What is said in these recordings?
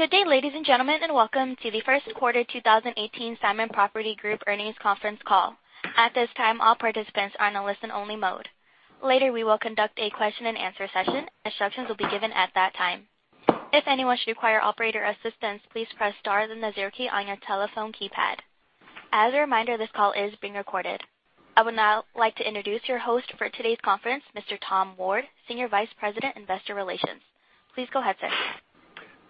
Good day, ladies and gentlemen, and welcome to the first quarter 2018 Simon Property Group Earnings Conference call. At this time, all participants are in a listen only mode. Later, we will conduct a question and answer session. Instructions will be given at that time. If anyone should require operator assistance, please press star then the zero key on your telephone keypad. As a reminder, this call is being recorded. I would now like to introduce your host for today's conference, Mr. Thomas Ward, Senior Vice President, Investor Relations. Please go ahead, sir.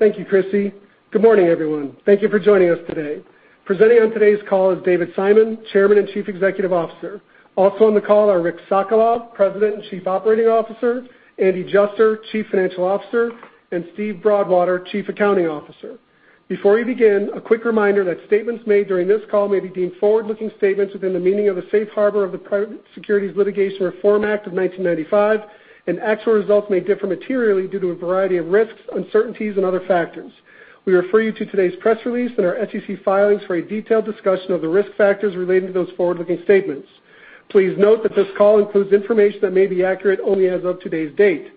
Thank you, Christy. Good morning, everyone. Thank you for joining us today. Presenting on today's call is David Simon, Chairman and Chief Executive Officer. Also on the call are Rick Sokolov, President and Chief Operating Officer, Andy Juster, Chief Financial Officer, and Steven Broadwater, Chief Accounting Officer. Before we begin, a quick reminder that statements made during this call may be deemed forward-looking statements within the meaning of the safe harbor of the Private Securities Litigation Reform Act of 1995. Actual results may differ materially due to a variety of risks, uncertainties, and other factors. We refer you to today's press release and our SEC filings for a detailed discussion of the risk factors relating to those forward-looking statements. Please note that this call includes information that may be accurate only as of today's date.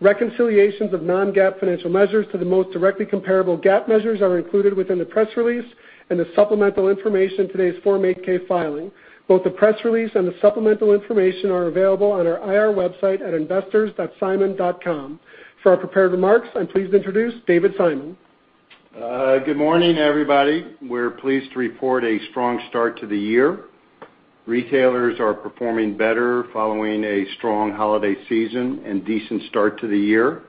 Reconciliations of non-GAAP financial measures to the most directly comparable GAAP measures are included within the press release and the supplemental information in today's Form 8-K filing. Both the press release and the supplemental information are available on our IR website at investors.simon.com. For our prepared remarks, I'm pleased to introduce David Simon. Good morning, everybody. We're pleased to report a strong start to the year. Retailers are performing better following a strong holiday season and decent start to the year.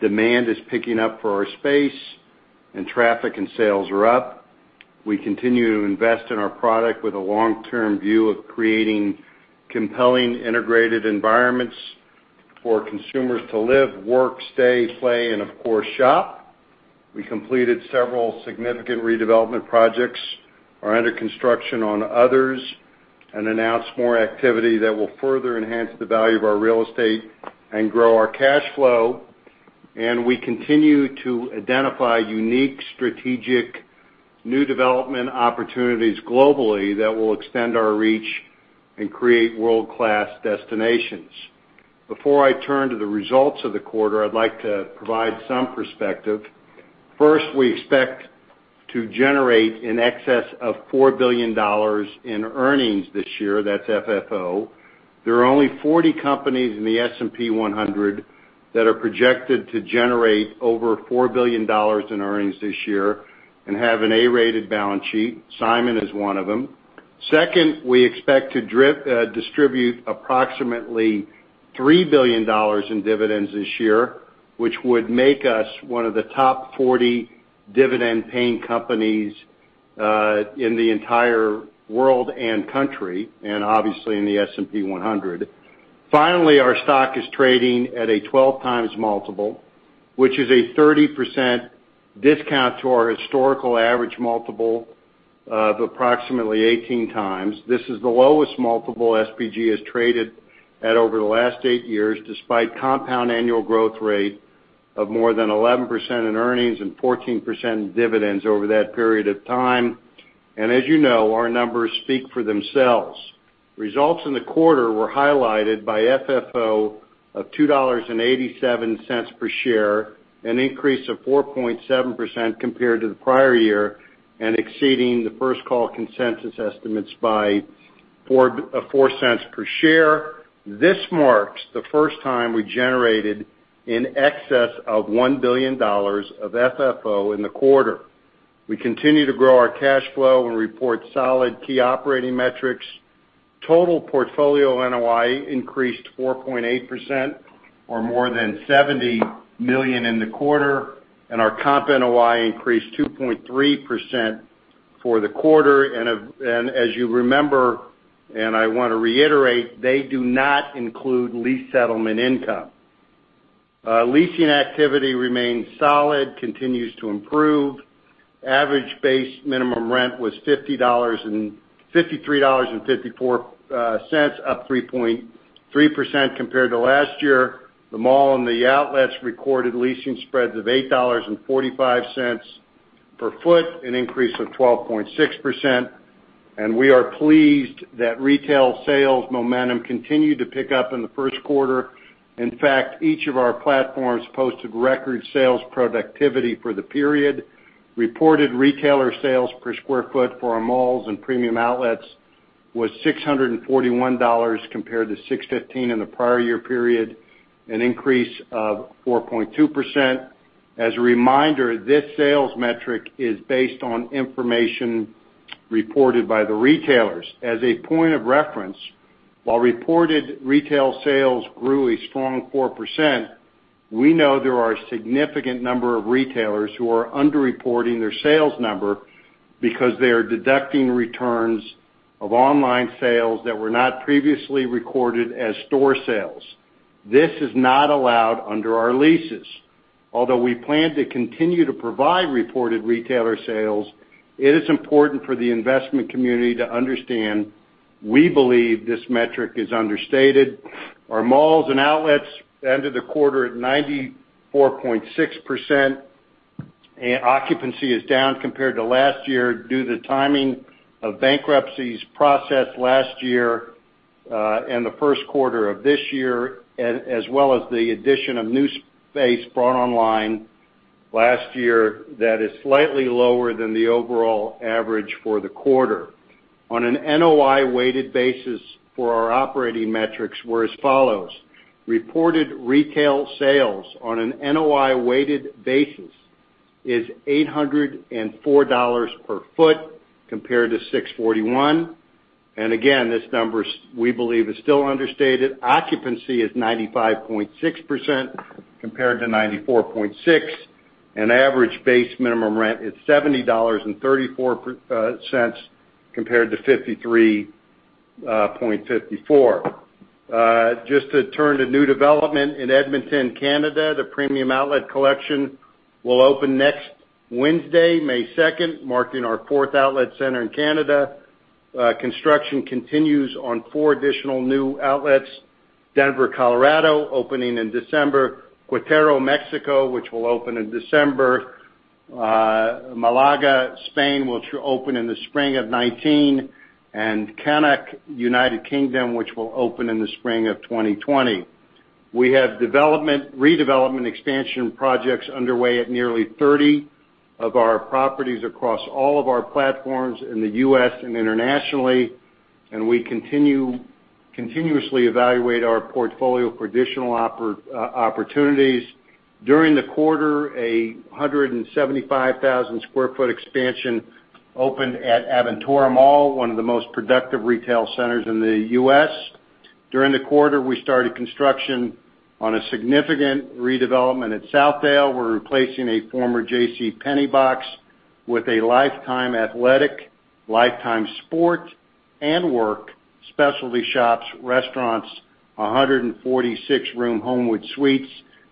Demand is picking up for our space, traffic and sales are up. We continue to invest in our product with a long-term view of creating compelling integrated environments for consumers to live, work, stay, play, and of course, shop. We completed several significant redevelopment projects, are under construction on others, and announced more activity that will further enhance the value of our real estate and grow our cash flow. We continue to identify unique, strategic, new development opportunities globally that will extend our reach and create world-class destinations. Before I turn to the results of the quarter, I'd like to provide some perspective. First, we expect to generate in excess of $4 billion in earnings this year. That's FFO. There are only 40 companies in the S&P 100 that are projected to generate over $4 billion in earnings this year and have an A-rated balance sheet. Simon is one of them. Second, we expect to distribute approximately $3 billion in dividends this year, which would make us one of the top 40 dividend-paying companies in the entire world and country, and obviously in the S&P 100. Finally, our stock is trading at a 12x multiple, which is a 30% discount to our historical average multiple of approximately 18x. This is the lowest multiple SPG has traded at over the last 8 years, despite compound annual growth rate of more than 11% in earnings and 14% in dividends over that period of time. As you know, our numbers speak for themselves. Results in the quarter were highlighted by FFO of $2.87 per share, an increase of 4.7% compared to the prior year and exceeding the First Call consensus estimates by $0.04 per share. This marks the first time we generated in excess of $1 billion of FFO in the quarter. We continue to grow our cash flow and report solid key operating metrics. Total portfolio NOI increased 4.8%, or more than $70 million in the quarter, and our comp NOI increased 2.3% for the quarter. As you remember, and I want to reiterate, they do not include lease settlement income. Leasing activity remains solid, continues to improve. Average base minimum rent was $53.54, up 3.3% compared to last year. The mall and the outlets recorded leasing spreads of $8.45 per foot, an increase of 12.6%. We are pleased that retail sales momentum continued to pick up in the first quarter. In fact, each of our platforms posted record sales productivity for the period. Reported retailer sales per square foot for our malls and premium outlets was $641, compared to $615 in the prior year period, an increase of 4.2%. As a reminder, this sales metric is based on information reported by the retailers. As a point of reference, while reported retail sales grew a strong 4%, we know there are a significant number of retailers who are underreporting their sales number because they are deducting returns of online sales that were not previously recorded as store sales. This is not allowed under our leases. Although we plan to continue to provide reported retailer sales, it is important for the investment community to understand we believe this metric is understated. Our malls and outlets ended the quarter at 94.6%. Occupancy is down compared to last year due to the timing of bankruptcies processed last year in the first quarter of this year, as well as the addition of new space brought online last year that is slightly lower than the overall average for the quarter. On an NOI-weighted basis for our operating metrics were as follows: reported retail sales on an NOI-weighted basis is $804 per foot compared to $641. Again, this number, we believe, is still understated. Occupancy is 95.6% compared to 94.6%. Average base minimum rent is $70.34 compared to $53.54. Just to turn to new development in Edmonton, Canada, the Premium Outlet Collection will open next Wednesday, May 2nd, marking our fourth outlet center in Canada. Construction continues on four additional new outlets. Denver, Colorado, opening in December. Queretaro, Mexico, which will open in December. Malaga, Spain, which will open in the spring of 2019, and Cannock, U.K., which will open in the spring of 2020. We have redevelopment expansion projects underway at nearly 30 of our properties across all of our platforms in the U.S. and internationally, and we continuously evaluate our portfolio for additional opportunities. During the quarter, a 175,000 sq ft expansion opened at Aventura Mall, one of the most productive retail centers in the U.S. During the quarter, we started construction on a significant redevelopment at Southdale. We're replacing a former JCPenney box with a Life Time Athletic, Life Time Sport and Work, specialty shops, restaurants, 146-room Homewood Suites,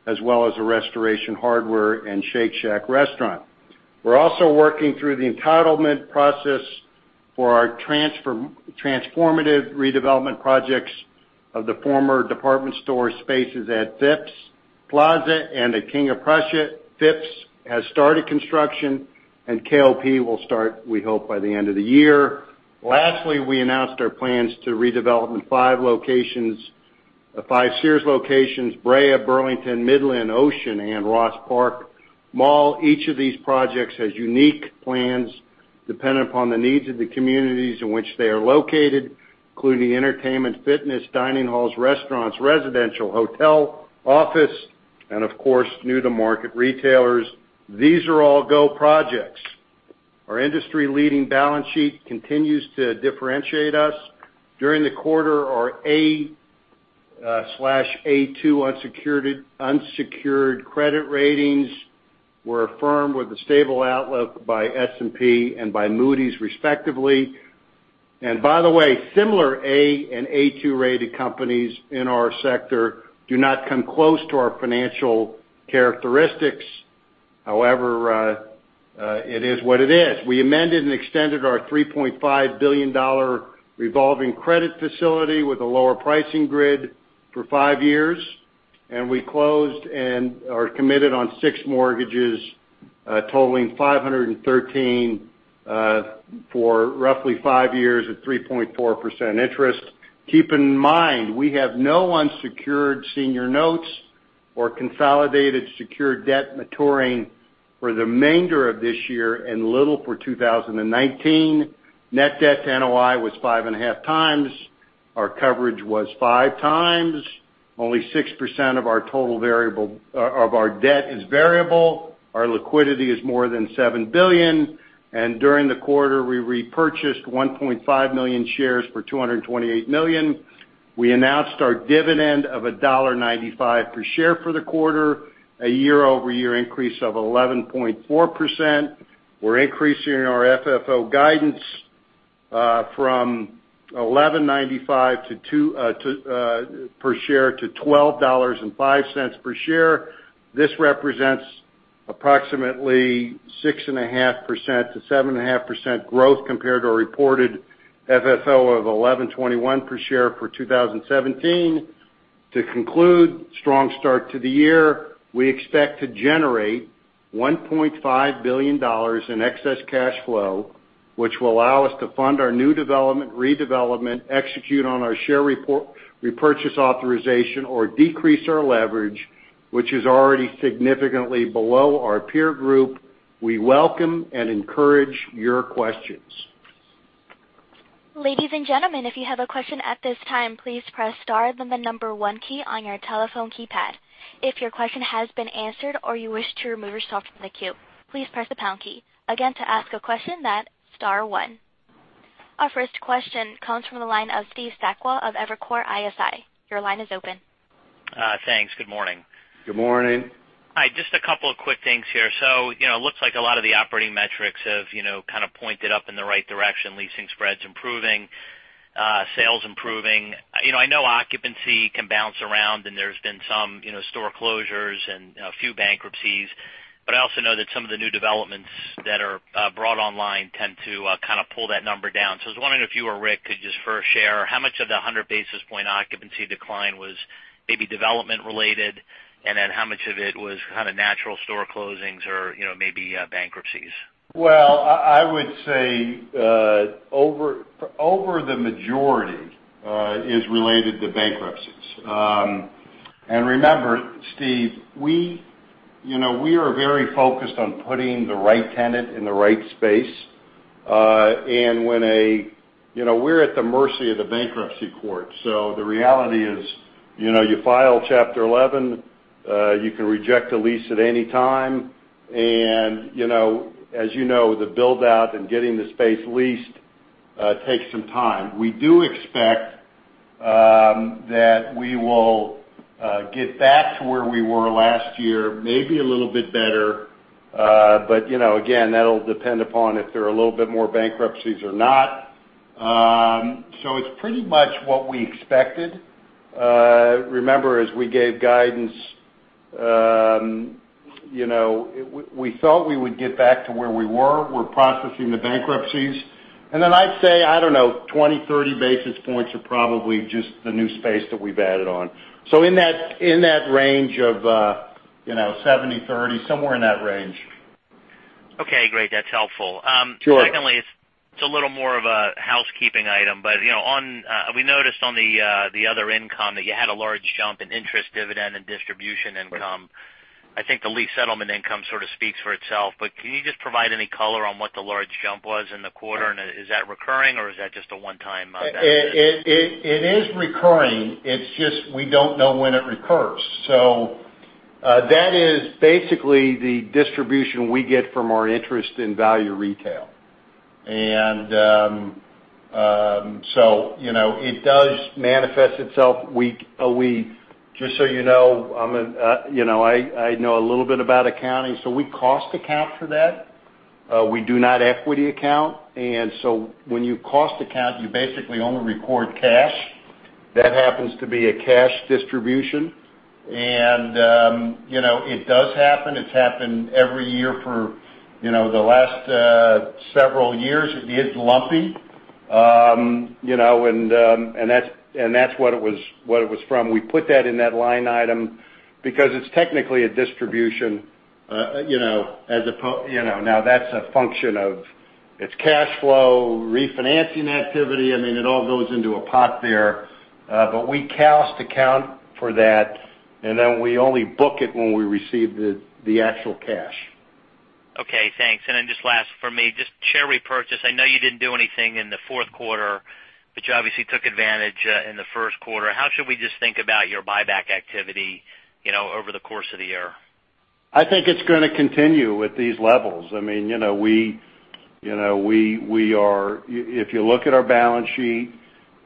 as well as a Restoration Hardware and Shake Shack restaurant. We're also working through the entitlement process for our transformative redevelopment projects of the former department store spaces at Phipps Plaza and at King of Prussia. Phipps has started construction, KOP will start, we hope, by the end of the year. Lastly, we announced our plans to redevelop five Sears locations, Brea, Burlington, Midland, Ocean, and Ross Park Mall. Each of these projects has unique plans dependent upon the needs of the communities in which they are located, including entertainment, fitness, dining halls, restaurants, residential, hotel, office, and of course, new-to-market retailers. These are all go projects. Our industry-leading balance sheet continues to differentiate us. During the quarter, our A/A2 unsecured credit ratings were affirmed with a stable outlook by S&P and by Moody's, respectively. By the way, similar A and A2-rated companies in our sector do not come close to our financial characteristics. However, it is what it is. We amended and extended our $3.5 billion revolving credit facility with a lower pricing grid for five years, and we closed and are committed on six mortgages totaling $513 for roughly five years at 3.4% interest. Keep in mind, we have no unsecured senior notes or consolidated secured debt maturing for the remainder of this year and little for 2019. Net debt to NOI was five and a half times. Our coverage was five times. Only 6% of our debt is variable. Our liquidity is more than $7 billion. During the quarter, we repurchased 1.5 million shares for $228 million. We announced our dividend of $1.95 per share for the quarter, a year-over-year increase of 11.4%. We're increasing our FFO guidance from $11.95 per share to $12.05 per share. This represents approximately 6.5%-7.5% growth compared to a reported FFO of $11.21 per share for 2017. To conclude, strong start to the year. We expect to generate $1.5 billion in excess cash flow, which will allow us to fund our new development, redevelopment, execute on our share repurchase authorization, or decrease our leverage, which is already significantly below our peer group. We welcome and encourage your questions. Ladies and gentlemen, if you have a question at this time, please press star then the number one key on your telephone keypad. If your question has been answered or you wish to remove yourself from the queue, please press the pound key. Again, to ask a question, that's star one. Our first question comes from the line of Steve Sakwa of Evercore ISI. Your line is open. Thanks. Good morning. Good morning. Hi. Just a couple of quick things here. It looks like a lot of the operating metrics have kind of pointed up in the right direction, leasing spreads improving, sales improving. I know occupancy can bounce around and there's been some store closures and a few bankruptcies. I also know that some of the new developments that are brought online tend to kind of pull that number down. I was wondering if you or Rick could just first share how much of the 100 basis point occupancy decline was maybe development related, and then how much of it was kind of natural store closings or maybe bankruptcies? I would say over the majority is related to bankruptcies. Remember, Steve, we are very focused on putting the right tenant in the right space. We're at the mercy of the bankruptcy court. The reality is, you file Chapter 11, you can reject a lease at any time. As you know, the build-out and getting the space leased takes some time. We do expect that we will get back to where we were last year, maybe a little bit better. Again, that'll depend upon if there are a little bit more bankruptcies or not. It's pretty much what we expected. Remember, as we gave guidance, we thought we would get back to where we were. We're processing the bankruptcies. I'd say, I don't know, 20, 30 basis points are probably just the new space that we've added on. In that range of 70/30, somewhere in that range. Great. That's helpful. Sure. Secondly, it's a little more of a housekeeping item, we noticed on the other income that you had a large jump in interest dividend and distribution income. I think the lease settlement income sort of speaks for itself, can you just provide any color on what the large jump was in the quarter? Is that recurring, or is that just a one-time event? It is recurring. It's just we don't know when it recurs. That is basically the distribution we get from our interest in Value Retail. It does manifest itself week to week. Just you know, I know a little bit about accounting, we cost account for that. We do not equity account. When you cost account, you basically only record cash. That happens to be a cash distribution. It does happen. It's happened every year for the last several years. It is lumpy. That's what it was from. We put that in that line item because it's technically a distribution. That's a function of its cash flow, refinancing activity. I mean, it all goes into a pot there. We cost account for that, and then we only book it when we receive the actual cash. Okay, thanks. Just last from me, just share repurchase. I know you didn't do anything in the fourth quarter, you obviously took advantage in the first quarter. How should we just think about your buyback activity over the course of the year? I think it's going to continue with these levels. If you look at our balance sheet,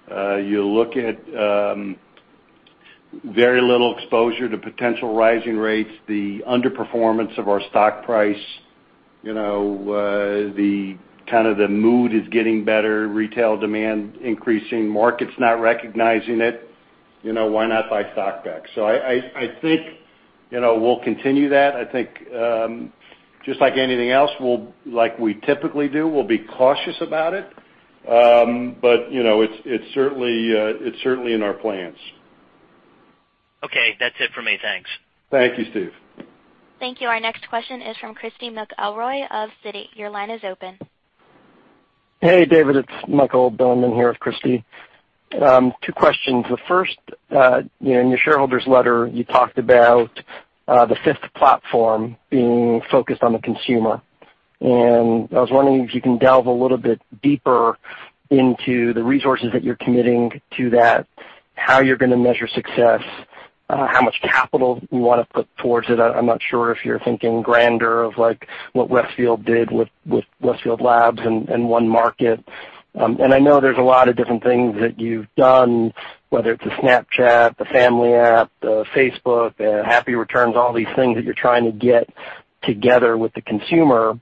you look at very little exposure to potential rising rates, the underperformance of our stock price, kind of the mood is getting better, retail demand increasing, market's not recognizing it. Why not buy stock back? I think we'll continue that. I think, just like anything else, like we typically do, we'll be cautious about it. It's certainly in our plans. Okay. That's it for me. Thanks. Thank you, Steve. Thank you. Our next question is from Christy McElroy of Citi. Your line is open. Hey, David. It's Michael Bilerman here with Christy. Two questions. The first, in your shareholders' letter, you talked about the fifth platform being focused on the consumer. I was wondering if you can delve a little bit deeper into the resources that you're committing to that, how you're going to measure success, how much capital you want to put towards it. I'm not sure if you're thinking grander of what Westfield did with Westfield Labs and OneMarket. I know there's a lot of different things that you've done, whether it's the Snapchat, the Family app, the Facebook, Happy Returns, all these things that you're trying to get together with the consumer.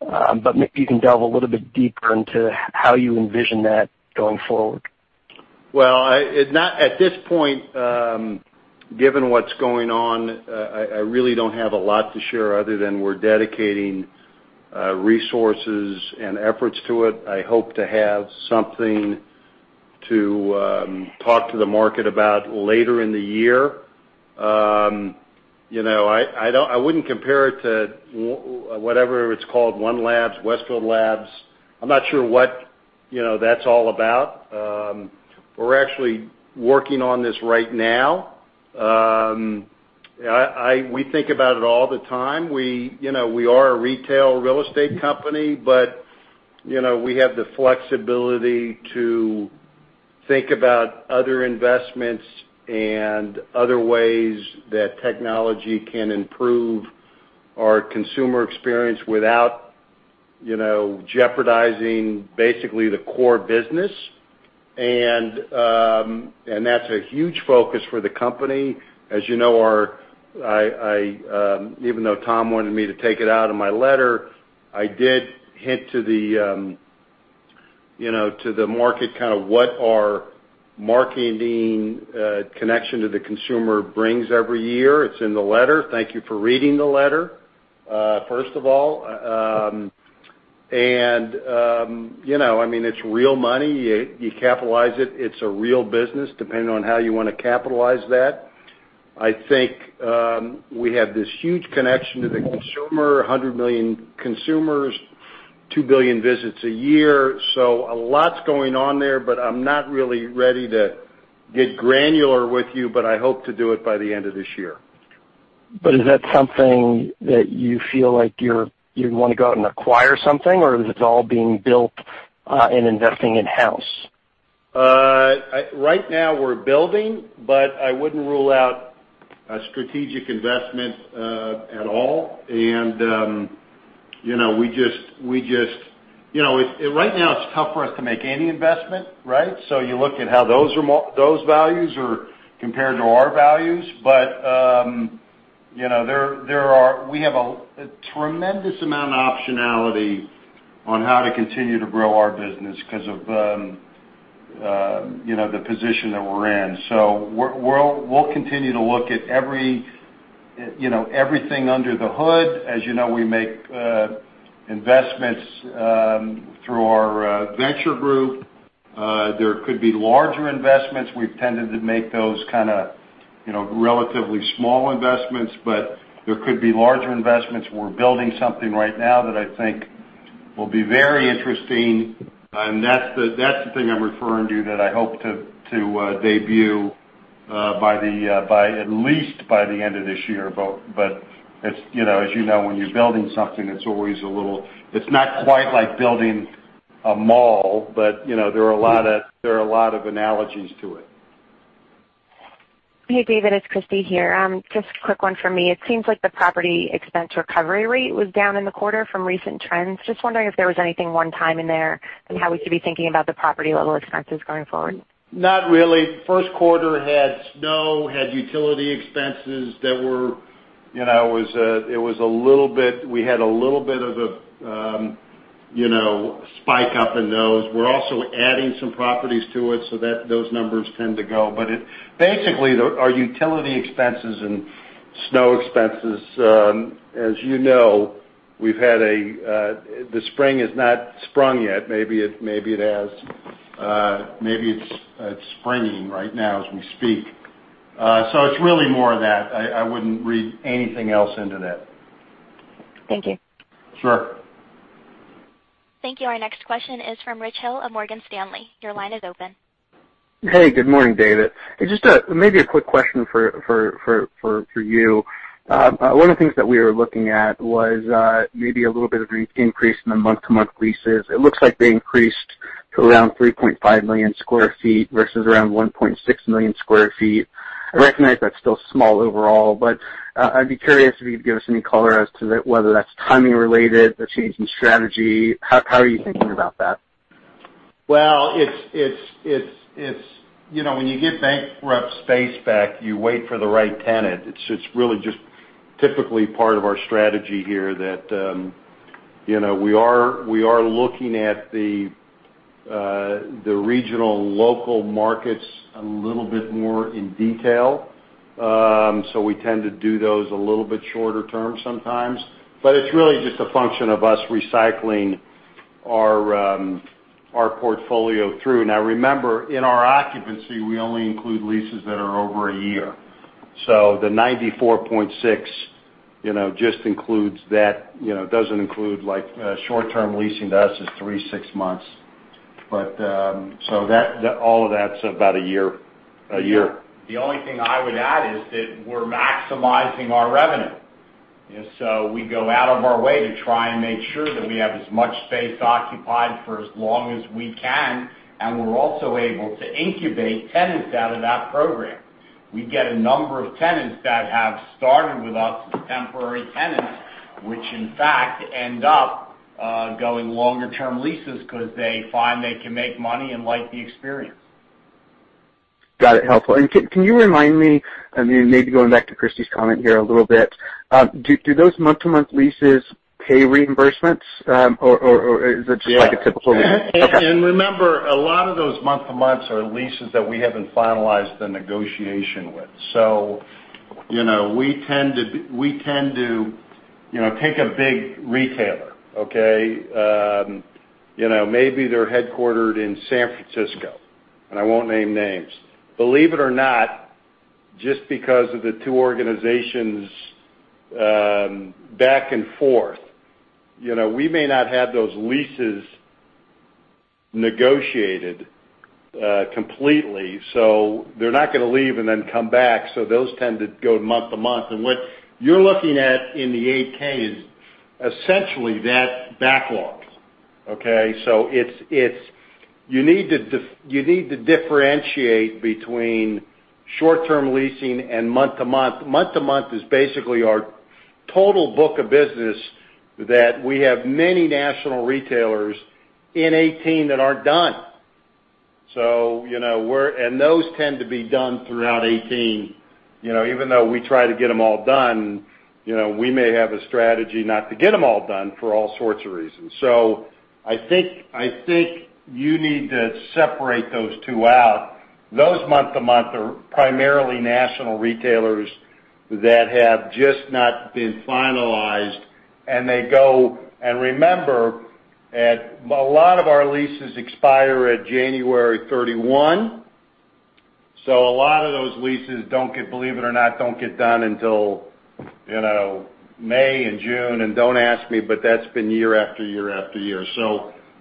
Maybe you can delve a little bit deeper into how you envision that going forward. Well, at this point, given what's going on, I really don't have a lot to share other than we're dedicating resources and efforts to it. I hope to have something to talk to the market about later in the year. I wouldn't compare it to whatever it's called, OneMarket, Westfield Labs. I'm not sure what that's all about. We're actually working on this right now. We think about it all the time. We are a retail real estate company, but we have the flexibility to think about other investments and other ways that technology can improve our consumer experience without jeopardizing basically the core business. That's a huge focus for the company. As you know, even though Tom wanted me to take it out of my letter, I did hint to the market kind of what our marketing connection to the consumer brings every year. It's in the letter. Thank you for reading the letter, first of all. I mean, it's real money. You capitalize it. It's a real business, depending on how you want to capitalize that. I think we have this huge connection to the consumer, 100 million consumers. 2 billion visits a year. A lot's going on there, but I'm not really ready to get granular with you, but I hope to do it by the end of this year. Is that something that you feel like you'd want to go out and acquire something, or is it all being built and investing in-house? Right now we're building, but I wouldn't rule out a strategic investment at all. Right now it's tough for us to make any investment, right? You look at how those values are compared to our values. We have a tremendous amount of optionality on how to continue to grow our business because of the position that we're in. We'll continue to look at everything under the hood. As you know, we make investments through our venture group. There could be larger investments. We've tended to make those kind of relatively small investments, but there could be larger investments. We're building something right now that I think will be very interesting, and that's the thing I'm referring to that I hope to debut at least by the end of this year. As you know, when you're building something, it's not quite like building a mall, but there are a lot of analogies to it. Hey, David, it's Christy here. Just a quick one from me. It seems like the property expense recovery rate was down in the quarter from recent trends. Just wondering if there was anything one-time in there and how we should be thinking about the property level expenses going forward. Not really. First quarter had snow, had utility expenses. We had a little bit of a spike up in those. We're also adding some properties to it, those numbers tend to go. Basically, our utility expenses and snow expenses, as you know, the spring has not sprung yet, maybe it's springing right now as we speak. It's really more of that. I wouldn't read anything else into that. Thank you. Sure. Thank you. Our next question is from Richard Hill of Morgan Stanley. Your line is open. Good morning, David. Just maybe a quick question for you. One of the things that we were looking at was maybe a little bit of increase in the month-to-month leases. It looks like they increased to around 3.5 million sq ft versus around 1.6 million sq ft. I recognize that's still small overall, but I'd be curious if you could give us any color as to whether that's timing related, a change in strategy. How are you thinking about that? When you get bankrupt space back, you wait for the right tenant. It's really just typically part of our strategy here that we are looking at the regional local markets a little bit more in detail. We tend to do those a little bit shorter term sometimes. It's really just a function of us recycling our portfolio through. Remember, in our occupancy, we only include leases that are over a year. The 94.6% just includes that. It doesn't include short-term leasing. To us, it's three, six months. All of that's about a year. The only thing I would add is that we're maximizing our revenue. We go out of our way to try and make sure that we have as much space occupied for as long as we can, and we're also able to incubate tenants out of that program. We get a number of tenants that have started with us as temporary tenants, which in fact end up going longer-term leases because they find they can make money and like the experience. Got it. Helpful. Can you remind me, maybe going back to Christy's comment here a little bit. Do those month-to-month leases pay reimbursements, or is it just like a typical lease? Yeah. Okay. Remember, a lot of those month-to-months are leases that we haven't finalized the negotiation with. Take a big retailer, Okay. Maybe they're headquartered in San Francisco, I won't name names. Believe it or not, just because of the two organizations back and forth, we may not have those leases negotiated completely. They're not going to leave and then come back, those tend to go month to month. What you're looking at in the 8-K is essentially that backlog. Okay. You need to differentiate between short-term leasing and month-to-month. Month-to-month is basically our total book of business that we have many national retailers in 2018 that aren't done. Those tend to be done throughout 2018. Even though we try to get them all done, we may have a strategy not to get them all done for all sorts of reasons. I think you need to separate those two out. Those month-to-month are primarily national retailers that have just not been finalized, they go. Remember, a lot of our leases expire at January 31. A lot of those leases, believe it or not, don't get done until May and June. Don't ask me, that's been year-after-year-after-year.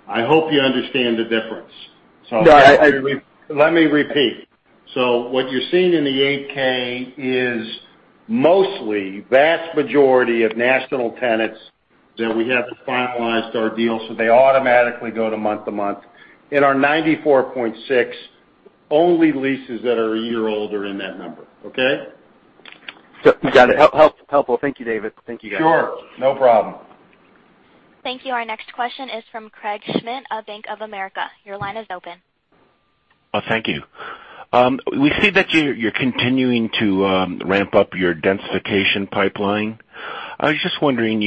I hope you understand the difference. No, I- Let me repeat. What you're seeing in the 8-K is mostly vast majority of national tenants that we have finalized our deal, they automatically go to month-to-month. In our 94.6, only leases that are a year old are in that number. Okay. Got it. Helpful. Thank you, David. Thank you, guys. Sure. No problem. Thank you. Our next question is from Craig Schmidt of Bank of America. Your line is open. Oh, thank you. We see that you're continuing to ramp up your densification pipeline. I was just wondering,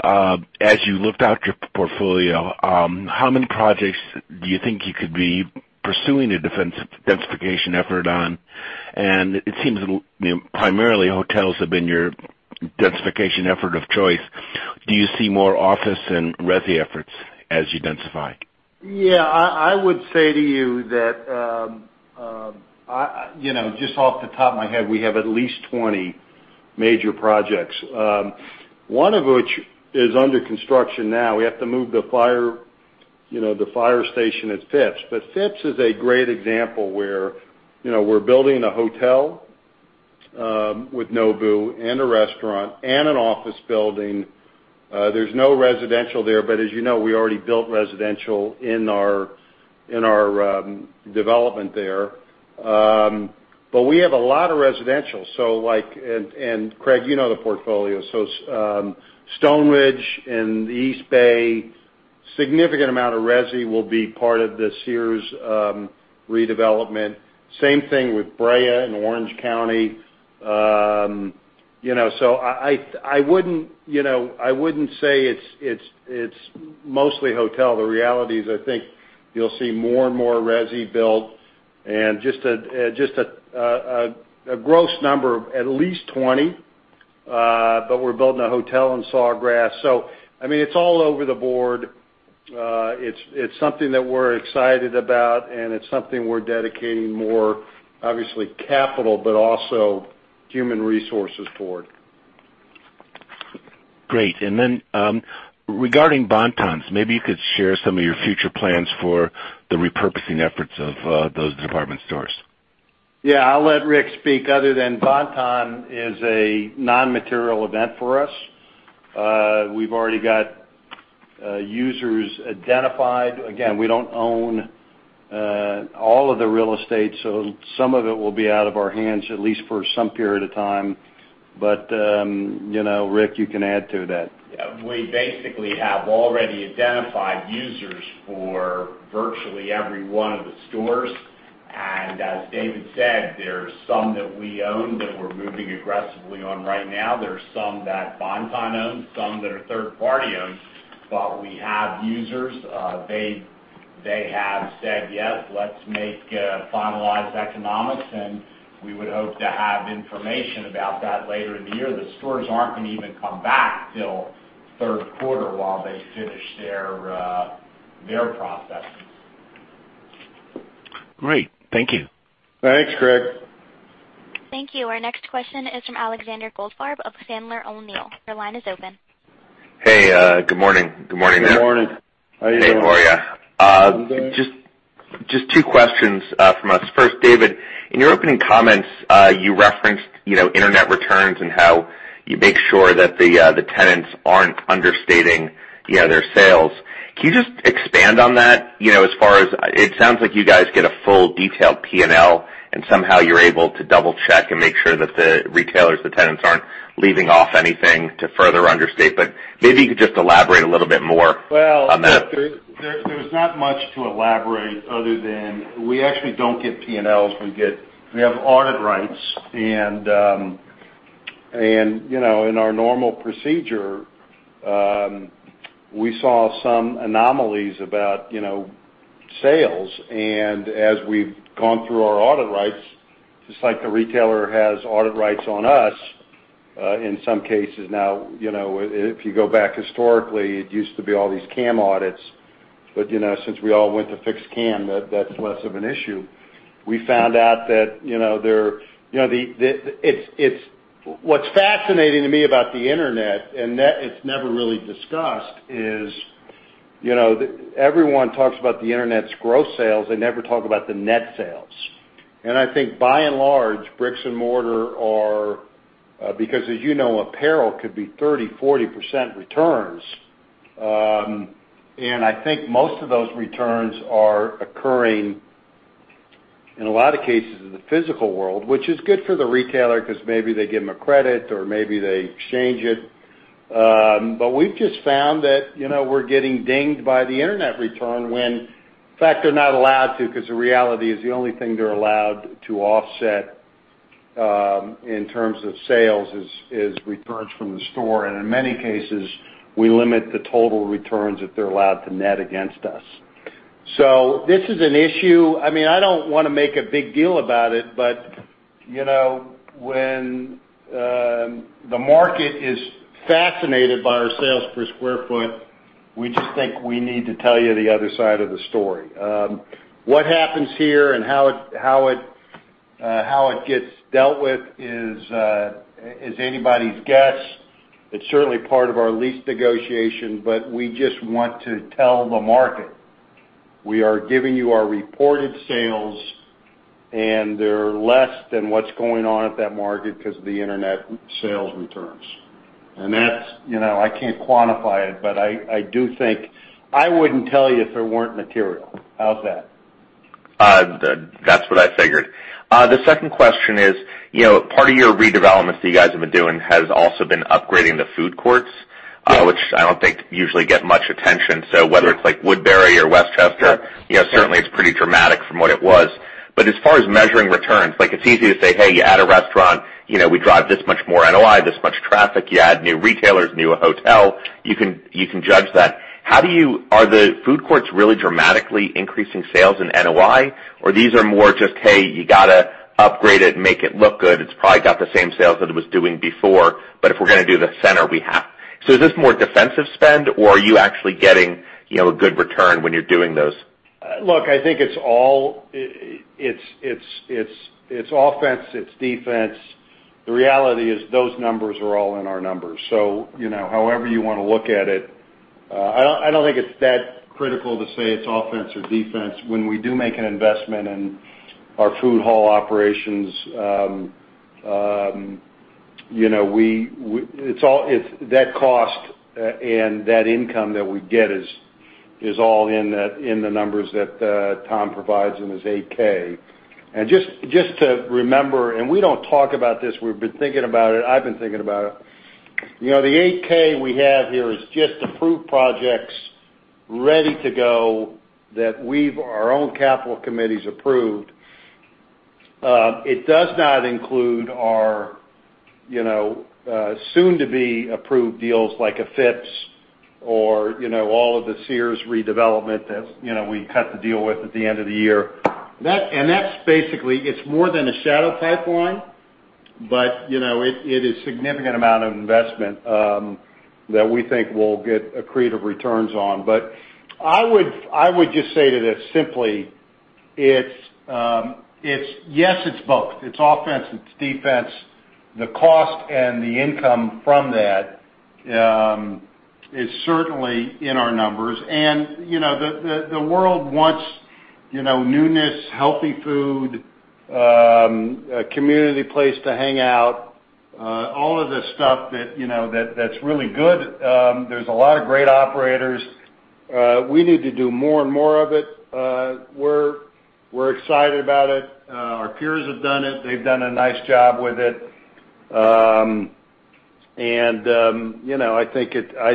as you looked at your portfolio, how many projects do you think you could be pursuing a densification effort on? And it seems primarily hotels have been your densification effort of choice. Do you see more office and resi efforts as you densify? I would say to you that, just off the top of my head, we have at least 20 major projects. One of which is under construction now. We have to move the fire station at Phipps. Phipps is a great example where we're building a hotel with Nobu and a restaurant and an office building. There's no residential there, but as you know, we already built residential in our development there. We have a lot of residential. Craig, you know the portfolio. Stoneridge in the East Bay, a significant amount of resi will be part of this year's redevelopment. Same thing with Brea in Orange County. I wouldn't say it's mostly hotel. The reality is, I think you'll see more and more resi build and just a gross number of at least 20. We're building a hotel in Sawgrass. It's all over the board. It's something that we're excited about, and it's something we're dedicating more, obviously capital, but also human resources for. Great. Regarding Bon-Ton, maybe you could share some of your future plans for the repurposing efforts of those department stores. I'll let Rick speak, other than Bon-Ton is a non-material event for us. We've already got users identified. Again, we don't own all of the real estate, so some of it will be out of our hands, at least for some period of time. Rick, you can add to that. We basically have already identified users for virtually every one of the stores. As David said, there's some that we own that we're moving aggressively on right now. There's some that Bon-Ton owns, some that are third-party owned. We have users. They have said, "Yes, let's make finalized economics," and we would hope to have information about that later in the year. The stores aren't going to even come back till third quarter while they finish their processes. Great. Thank you. Thanks, Craig. Thank you. Our next question is from Alexander Goldfarb of Sandler O'Neill. Your line is open. Hey, good morning. Good morning, there. Good morning. How are you doing? Hey, how are you? Good. Just two questions from us. First, David, in your opening comments, you referenced internet returns and how you make sure that the tenants aren't understating their sales. Can you just expand on that? It sounds like you guys get a full detailed P&L, and somehow you're able to double-check and make sure that the retailers, the tenants, aren't leaving off anything to further understate. Maybe you could just elaborate a little bit more on that. Well, there's not much to elaborate other than we actually don't get P&Ls. We have audit rights and in our normal procedure, we saw some anomalies about sales. As we've gone through our audit rights, just like the retailer has audit rights on us, in some cases now, if you go back historically, it used to be all these CAM audits. Since we all went to fixed CAM, that's less of an issue. What's fascinating to me about the internet, it's never really discussed, everyone talks about the internet's gross sales. They never talk about the net sales. I think by and large, bricks and mortar are. Because as you know, apparel could be 30%-40% returns. I think most of those returns are occurring, in a lot of cases, in the physical world. Which is good for the retailer because maybe they give them a credit or maybe they exchange it. We've just found that we're getting dinged by the internet return when, in fact, they're not allowed to, because the reality is the only thing they're allowed to offset, in terms of sales, is returns from the store. In many cases, we limit the total returns that they're allowed to net against us. This is an issue. I don't want to make a big deal about it. The market is fascinated by our sales per square foot. We just think we need to tell you the other side of the story. What happens here and how it gets dealt with is anybody's guess. It's certainly part of our lease negotiation, we just want to tell the market. We are giving you our reported sales, they're less than what's going on at that market because of the internet sales returns. I can't quantify it, but I do think I wouldn't tell you if there weren't material. How's that? That's what I figured. The second question is, part of your redevelopments that you guys have been doing has also been upgrading the food courts, which I don't think usually get much attention. Whether it's like Woodbury or Westchester, certainly it's pretty dramatic from what it was. As far as measuring returns, it's easy to say, hey, you add a restaurant, we drive this much more NOI, this much traffic. You add new retailers, new hotel, you can judge that. Are the food courts really dramatically increasing sales in NOI, or these are more just, "Hey, you got to upgrade it, make it look good. It's probably got the same sales that it was doing before, but if we're going to do the center, we have." Is this more defensive spend or are you actually getting a good return when you're doing those? Look, I think it's offense, it's defense. The reality is those numbers are all in our numbers. However you want to look at it. I don't think it's that critical to say it's offense or defense. When we do make an investment in our food hall operations, that cost and that income that we get is all in the numbers that Tom provides in his 8-K. Just to remember, and we don't talk about this, we've been thinking about it. I've been thinking about it. The 8-K we have here is just approved projects ready to go that our own capital committees approved. It does not include our soon-to-be-approved deals like a Phipps or all of the Sears redevelopment that we cut the deal with at the end of the year. That's basically, it's more than a shadow pipeline, but it is significant amount of investment that we think we'll get accretive returns on. I would just say that it's simply, yes, it's both. It's offense, it's defense. The cost and the income from that is certainly in our numbers. The world wants newness, healthy food, a community place to hang out, all of the stuff that's really good. There's a lot of great operators. We need to do more and more of it. We're excited about it. Our peers have done it. They've done a nice job with it. I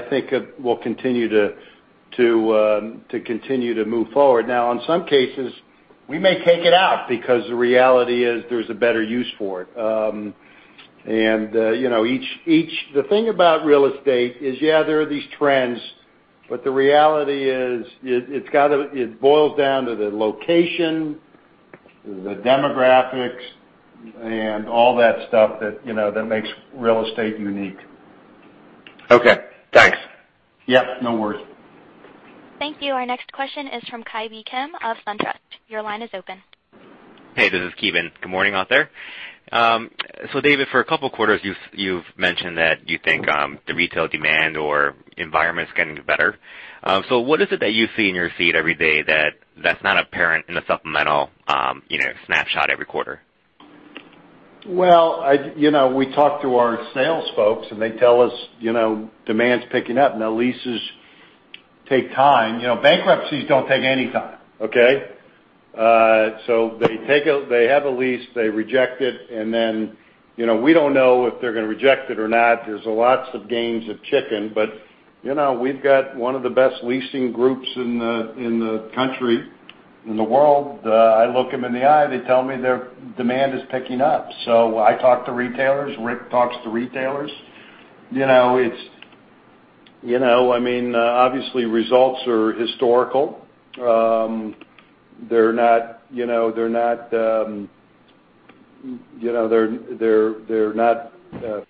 think it will continue to move forward. Now, in some cases, we may take it out because the reality is there's a better use for it. The thing about real estate is, yeah, there are these trends, but the reality is it boils down to the location, the demographics, and all that stuff that makes real estate unique. Okay. Thanks. Yeah, no worries. Thank you. Our next question is from Kevin of SunTrust. Your line is open. Hey, this is Kevin. Good morning out there. David, for a couple of quarters, you've mentioned that you think the retail demand or environment is getting better. What is it that you see in your feed every day that's not apparent in a supplemental snapshot every quarter? Well, we talk to our sales folks, and they tell us demand's picking up. Now leases take time. Bankruptcies don't take any time. Okay? They have a lease, they reject it, and then we don't know if they're going to reject it or not. There's lots of games of chicken, but we've got one of the best leasing groups in the country, in the world. I look them in the eye, they tell me their demand is picking up. I talk to retailers, Rick talks to retailers. Obviously, results are historical. They're not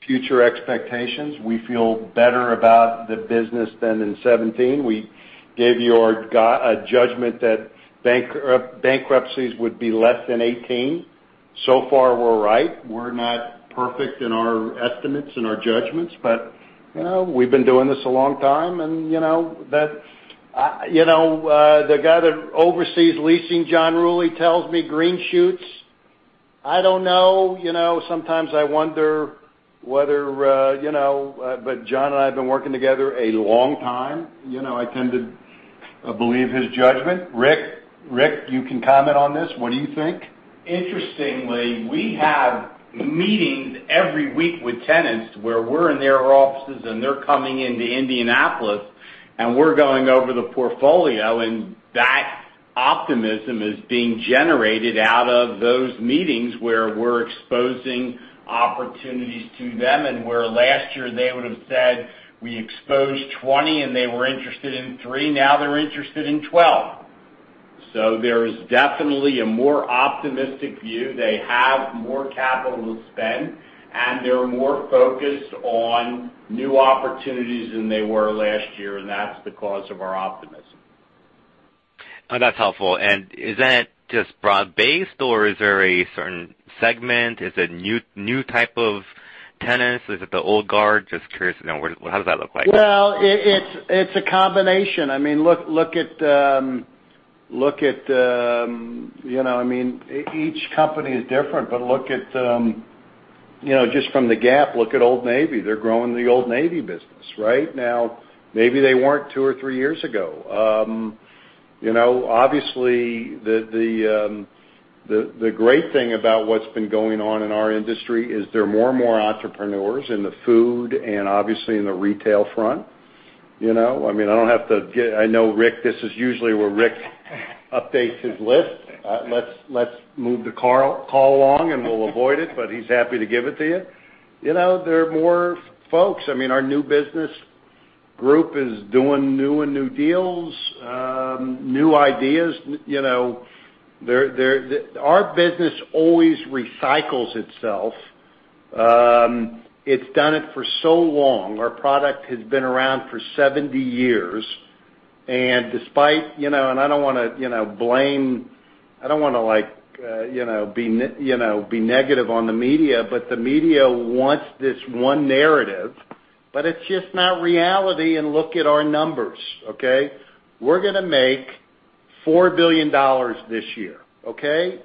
future expectations. We feel better about the business than in 2017. We gave you a judgment that bankruptcies would be less than 2018. So far, we're right. We're not perfect in our estimates and our judgments. We've been doing this a long time, and the guy that oversees leasing, John Rulli, tells me green shoots. I don't know. Sometimes I wonder whether John and I have been working together a long time. I tend to believe his judgment. Rick, you can comment on this. What do you think? Interestingly, we have meetings every week with tenants where we're in their offices and they're coming into Indianapolis and we're going over the portfolio, and that optimism is being generated out of those meetings where we're exposing opportunities to them, and where last year they would've said we exposed 20 and they were interested in three. Now they're interested in 12. There is definitely a more optimistic view. They have more capital to spend, and they're more focused on new opportunities than they were last year, and that's the cause of our optimism. Oh, that's helpful. Is that just broad-based, or is there a certain segment? Is it new type of tenants? Is it the old guard? Just curious to know, how does that look like? Well, it's a combination. Each company is different, but just from the Gap, look at Old Navy. They're growing the Old Navy business. Right now, maybe they weren't two or three years ago. Obviously, the great thing about what's been going on in our industry is there are more and more entrepreneurs in the food and obviously in the retail front. I know Rick, this is usually where Rick updates his list. Let's move the call along, and we'll avoid it, but he's happy to give it to you. There are more folks. Our new business group is doing new and new deals, new ideas. Our business always recycles itself. It's done it for so long. Our product has been around for 70 years. I don't want to be negative on the media, the media wants this one narrative, it's just not reality. Look at our numbers, okay? We're gonna make $4 billion this year, okay?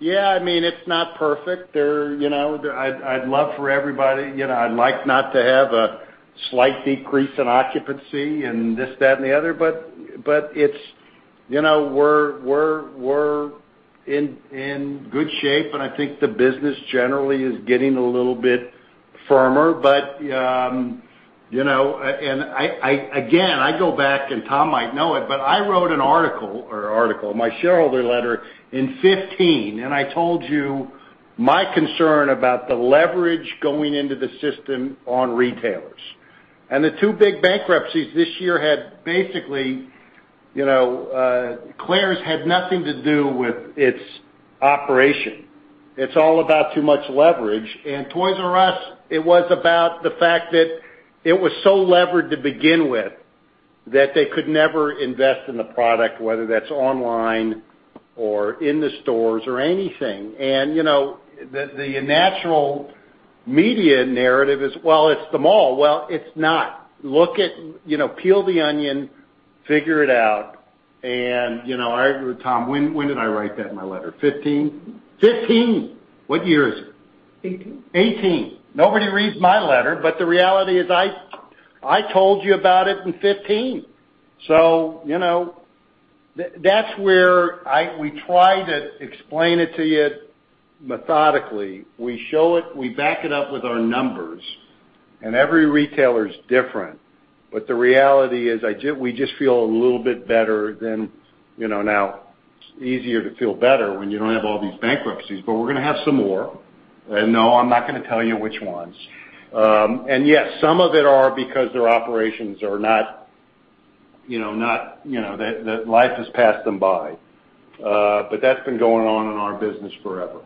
Yeah, it's not perfect. I'd like not to have a slight decrease in occupancy and this, that, and the other. We're in good shape. I think the business generally is getting a little bit firmer. Again, I go back. Tom might know it, I wrote my shareholder letter in 2015. I told you my concern about the leverage going into the system on retailers. The two big bankruptcies this year had basically Claire's had nothing to do with its operation. It's all about too much leverage. Toys "R" Us, it was about the fact that it was so levered to begin with that they could never invest in the product, whether that's online or in the stores or anything. The natural media narrative is, well, it's the mall. Well, it's not. Peel the onion, figure it out. Tom, when did I write that in my letter, 2015? '18. 2018. Nobody reads my letter, the reality is I told you about it in 2015. That's where we try to explain it to you methodically. We back it up with our numbers. Every retailer is different. The reality is we just feel a little bit better than Now, it's easier to feel better when you don't have all these bankruptcies, we're gonna have some more. No, I'm not gonna tell you which ones. Yes, some of it are because their operations are not, that life has passed them by. That's been going on in our business forever.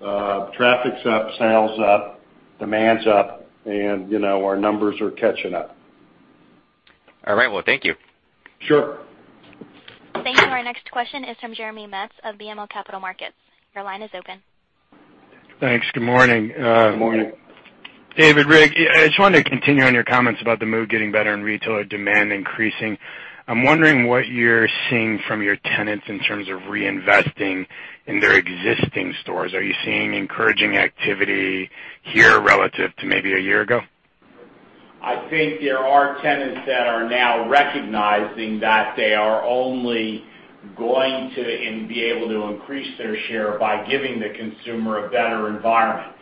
Traffic's up, sales's up, demand's up. Our numbers are catching up. All right. Well, thank you. Sure. Thank you. Our next question is from Jeremy Metz of BMO Capital Markets. Your line is open. Thanks. Good morning. Good morning. David Simon. I just wanted to continue on your comments about the mood getting better in retail or demand increasing. I'm wondering what you're seeing from your tenants in terms of reinvesting in their existing stores. Are you seeing encouraging activity here relative to maybe a year ago? I think there are tenants that are now recognizing that they are only going to be able to increase their share by giving the consumer a better environment.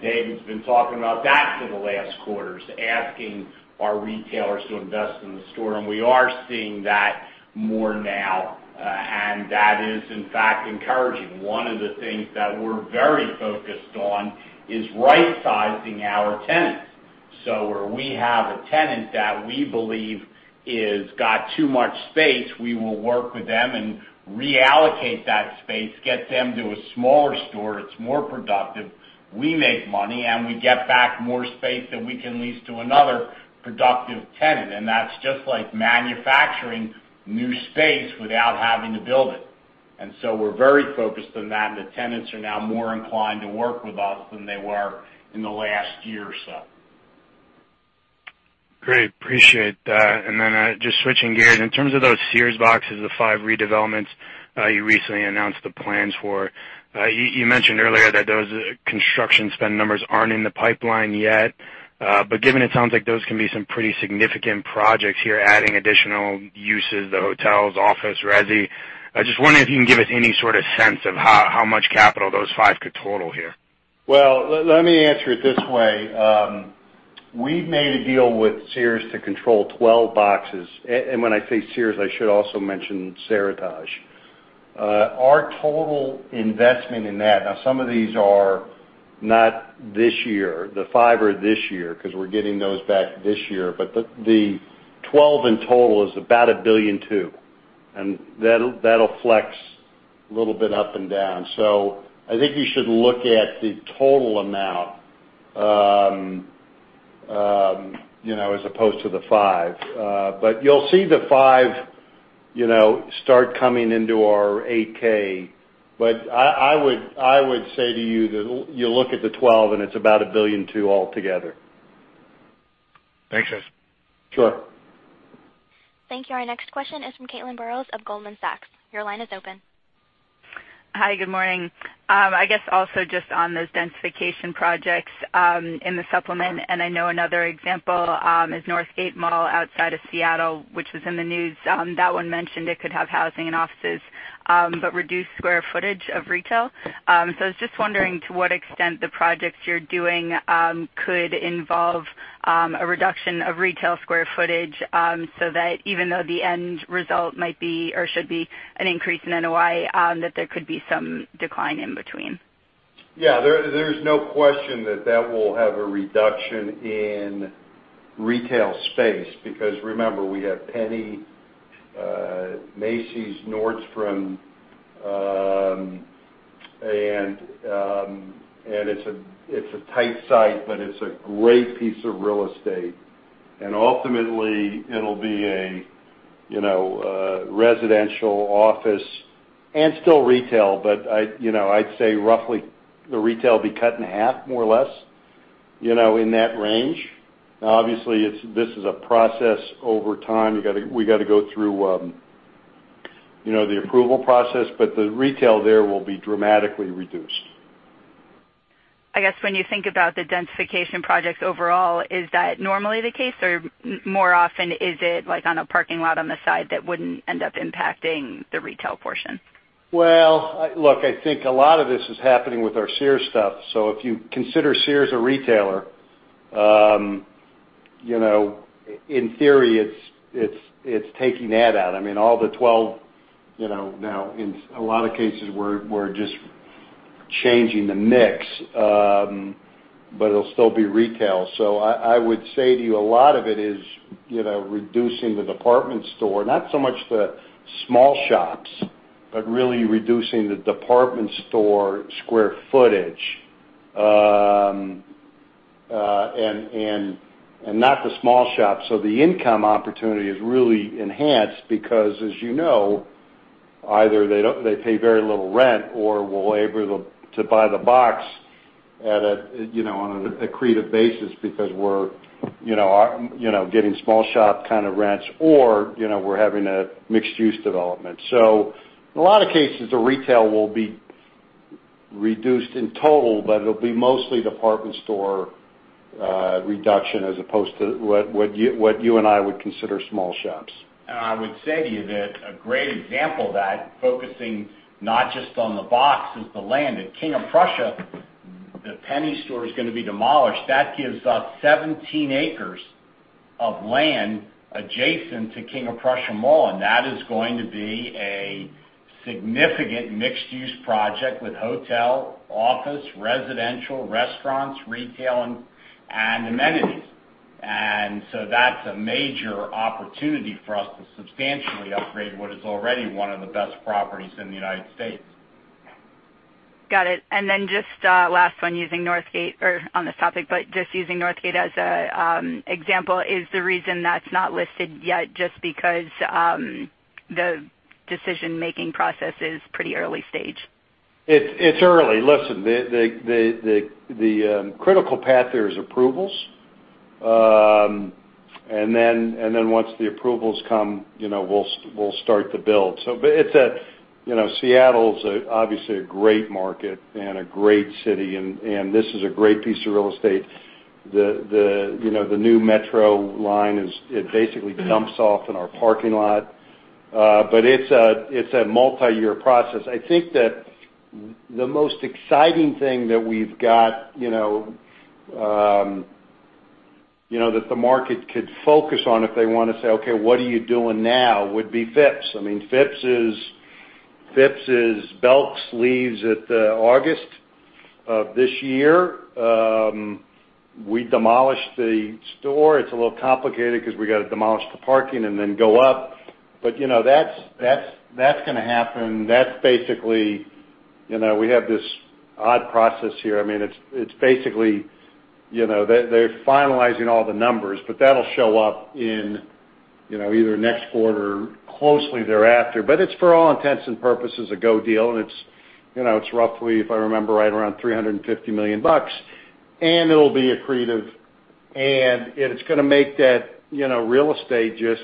David's been talking about that for the last quarters, asking our retailers to invest in the store, and we are seeing that more now. That is, in fact, encouraging. One of the things that we're very focused on is right-sizing our tenants. Where we have a tenant that we believe has got too much space, we will work with them and reallocate that space, get them to a smaller store. It's more productive. We make money, and we get back more space that we can lease to another productive tenant. That's just like manufacturing new space without having to build it. We're very focused on that. The tenants are now more inclined to work with us than they were in the last year or so. Great. Appreciate that. Just switching gears, in terms of those Sears boxes, the five redevelopments you recently announced the plans for, you mentioned earlier that those construction spend numbers aren't in the pipeline yet. Given it sounds like those can be some pretty significant projects here, adding additional uses, the hotels, office, resi, I just wonder if you can give us any sort of sense of how much capital those five could total here. Well, let me answer it this way. We've made a deal with Sears to control 12 boxes. When I say Sears, I should also mention Seritage. Our total investment in that, now some of these are not this year, the five are this year, because we're getting those back this year. The 12 in total is about $1.2 billion. That'll flex a little bit up and down. I think you should look at the total amount as opposed to the five. You'll see the five start coming into our 8-K. I would say to you that you look at the 12, and it's about $1.2 billion altogether. Thanks, guys. Sure. Thank you. Our next question is from Caitlin Burrows of Goldman Sachs. Your line is open. Hi, good morning. I guess also just on those densification projects in the supplement. I know another example is Northgate Mall outside of Seattle, which was in the news. That one mentioned it could have housing and offices but reduced square footage of retail. I was just wondering to what extent the projects you're doing could involve a reduction of retail square footage so that even though the end result might be or should be an increase in NOI, that there could be some decline in between. Yeah, there's no question that that will have a reduction in retail space, because remember, we have Penney, Macy's, Nordstrom, and it's a tight site, but it's a great piece of real estate. Ultimately, it'll be a residential office and still retail, but I'd say roughly the retail will be cut in half, more or less, in that range. Now obviously, this is a process over time. We got to go through the approval process. The retail there will be dramatically reduced. I guess when you think about the densification projects overall, is that normally the case? Or more often, is it like on a parking lot on the side that wouldn't end up impacting the retail portion? Well, look, I think a lot of this is happening with our Sears stuff. If you consider Sears a retailer, in theory, it's taking that out. All the 12 now, in a lot of cases, we're just changing the mix. It'll still be retail. I would say to you, a lot of it is reducing the department store, not so much the small shops, but really reducing the department store square footage, and not the small shops. The income opportunity is really enhanced because, as you know, either they pay very little rent or we're able to buy the box on an accretive basis because we're getting small shop kind of rents or we're having a mixed-use development. In a lot of cases, the retail will be reduced in total, but it'll be mostly department store reduction as opposed to what you and I would consider small shops. I would say to you that a great example of that, focusing not just on the box, is the land at King of Prussia. The Penney store is going to be demolished. That gives us 17 acres of land adjacent to King of Prussia Mall, and that is going to be a significant mixed-use project with hotel, office, residential, restaurants, retail, and amenities. That's a major opportunity for us to substantially upgrade what is already one of the best properties in the United States. Got it. Just last one on this topic, but just using Northgate as an example, is the reason that's not listed yet just because the decision-making process is pretty early stage? It's early. Listen, the critical path there is approvals. Once the approvals come, we'll start the build. Seattle's obviously a great market and a great city, and this is a great piece of real estate. The new metro line basically dumps off in our parking lot. It's a multi-year process. I think that the most exciting thing that we've got that the market could focus on if they want to say, "Okay, what are you doing now?" would be Phipps. Phipps is Belk leaves at August of this year. We demolished the store. It's a little complicated because we got to demolish the parking and then go up. That's going to happen. We have this odd process here. It's basically, they're finalizing all the numbers, but that'll show up in either next quarter or closely thereafter. It's for all intents and purposes a go deal, and it's roughly, if I remember right, around $350 million, and it'll be accretive, and it's going to make that real estate just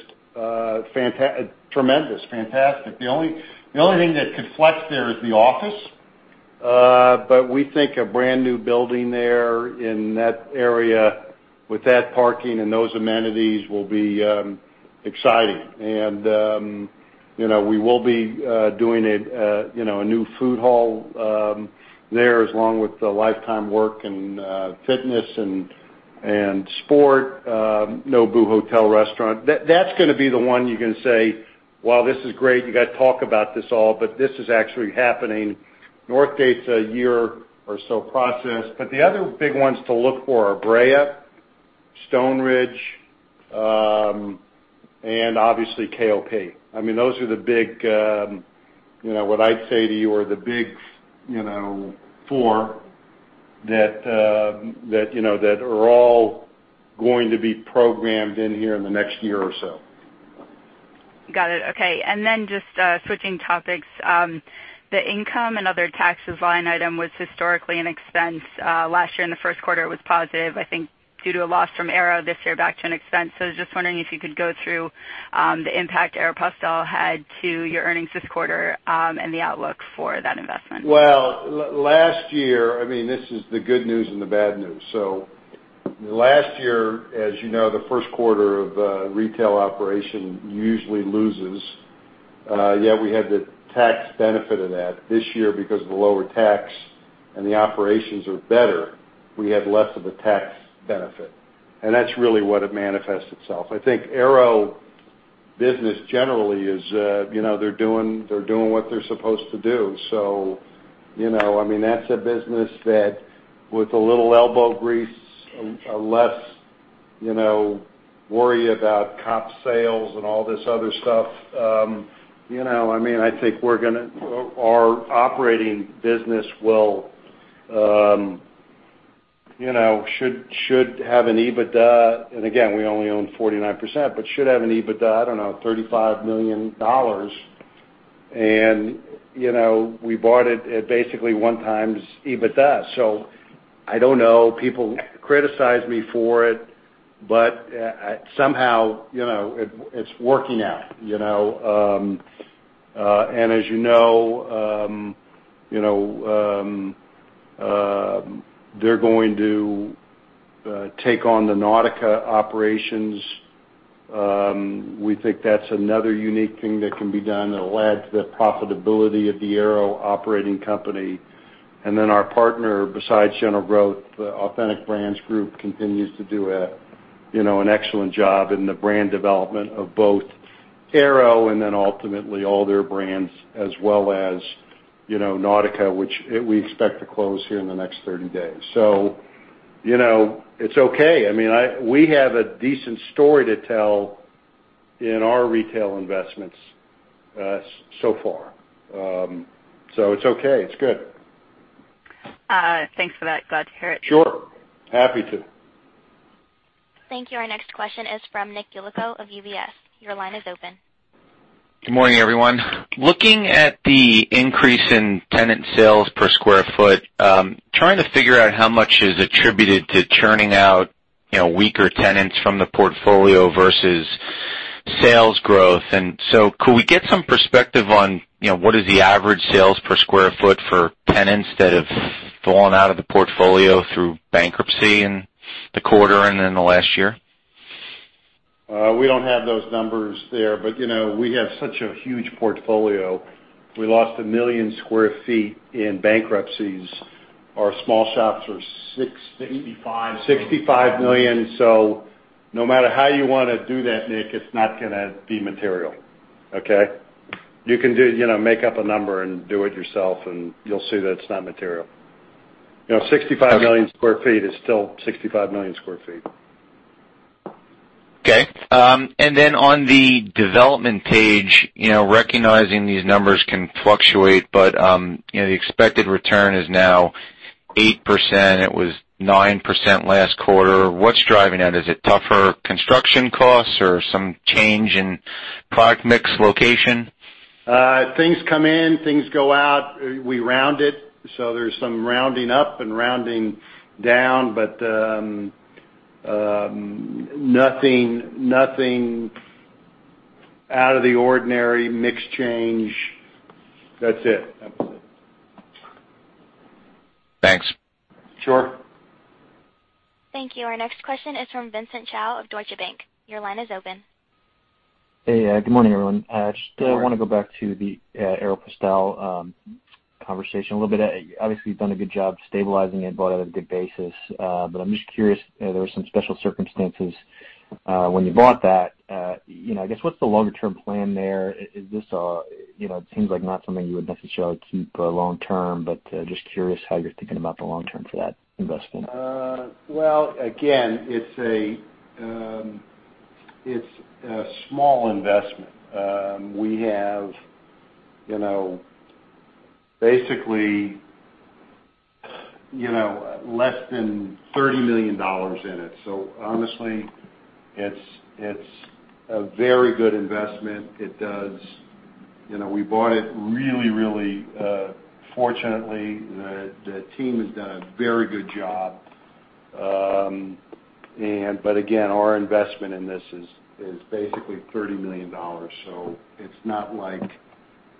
tremendous, fantastic. The only thing that could flex there is the office. We think a brand new building there in that area with that parking and those amenities will be exciting. We will be doing a new food hall there, along with the Life Time Work and fitness and sport, Nobu Hotel & Restaurant. That's going to be the one you're going to say, "Wow, this is great. You guys talk about this all, but this is actually happening." Northgate's a year or so process, the other big ones to look for are Brea, Stoneridge, and obviously KOP. Those are what I'd say to you are the big four that are all going to be programmed in here in the next year or so. Got it. Okay. Just switching topics. The income and other taxes line item was historically an expense. Last year in the first quarter, it was positive, I think, due to a loss from Aéropostale this year back to an expense. I was just wondering if you could go through the impact Aéropostale had to your earnings this quarter, and the outlook for that investment. Well, last year. This is the good news and the bad news. Last year, as you know, the first quarter of retail operation usually loses. Yet we had the tax benefit of that. This year, because of the lower tax and the operations are better, we had less of a tax benefit. That's really what it manifests itself. I think Aero business generally, they're doing what they're supposed to do. That's a business that with a little elbow grease, a less worry about comp sales and all this other stuff. I think our operating business should have an EBITDA. Again, we only own 49%, but should have an EBITDA, I don't know, $35 million. We bought it at basically 1x EBITDA. I don't know. People criticize me for it, but somehow, it's working out. As you know, they're going to take on the Nautica operations. We think that's another unique thing that can be done that'll add to the profitability of the Aero operating company. Our partner, besides General Growth, the Authentic Brands Group, continues to do an excellent job in the brand development of both Aero and ultimately all their brands as well as Nautica, which we expect to close here in the next 30 days. It's okay. We have a decent story to tell in our retail investments so far. It's okay. It's good. Thanks for that. Glad to hear it. Sure. Happy to. Thank you. Our next question is from Nick Yulico of UBS. Your line is open. Good morning, everyone. Looking at the increase in tenant sales per square foot, trying to figure out how much is attributed to churning out weaker tenants from the portfolio versus sales growth. Could we get some perspective on what is the average sales per square foot for tenants that have fallen out of the portfolio through bankruptcy in the quarter and in the last year? We don't have those numbers there. We have such a huge portfolio. We lost 1 million square feet in bankruptcies. Our small shops are 65 million. No matter how you want to do that, Nick, it's not going to be material. Okay? You can make up a number and do it yourself, and you'll see that it's not material. 65 million square feet is still 65 million square feet. Okay. Then on the development page, recognizing these numbers can fluctuate, but the expected return is now 8%. It was 9% last quarter. What's driving that? Is it tougher construction costs or some change in product mix location? Things come in, things go out, we round it. There's some rounding up and rounding down. Nothing out of the ordinary mix change. That's it. Thanks. Sure. Thank you. Our next question is from Vincent Chao of Deutsche Bank. Your line is open. Hey, good morning everyone. Good morning. Just want to go back to the Aéropostale conversation a little bit. Obviously, you've done a good job stabilizing it, bought at a good basis. I'm just curious, there were some special circumstances when you bought that. I guess what's the longer term plan there? It seems like not something you would necessarily keep long term, just curious how you're thinking about the long term for that investment. Well, again, it's a small investment. We have basically less than $30 million in it. Honestly, it's a very good investment. We bought it really fortunately. The team has done a very good job. Again, our investment in this is basically $30 million, so it's not like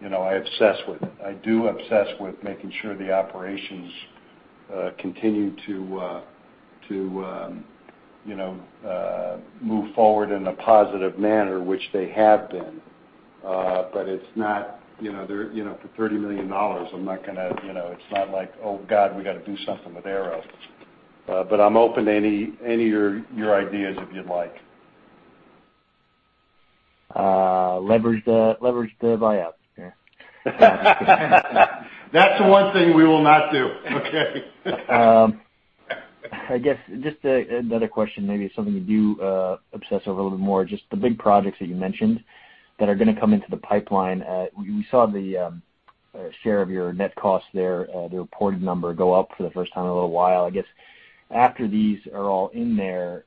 I obsess with it. I do obsess with making sure the operations continue to move forward in a positive manner, which they have been For $30 million, I'm not going to It's not like, "Oh, God, we got to do something with Aéropostale." I'm open to any of your ideas if you'd like. Leverage the buyout. Yeah. That's the one thing we will not do. Okay? Just another question, maybe something you do obsess over a little bit more, just the big projects that you mentioned that are going to come into the pipeline. We saw the share of your net cost there, the reported number, go up for the first time in a little while. After these are all in there,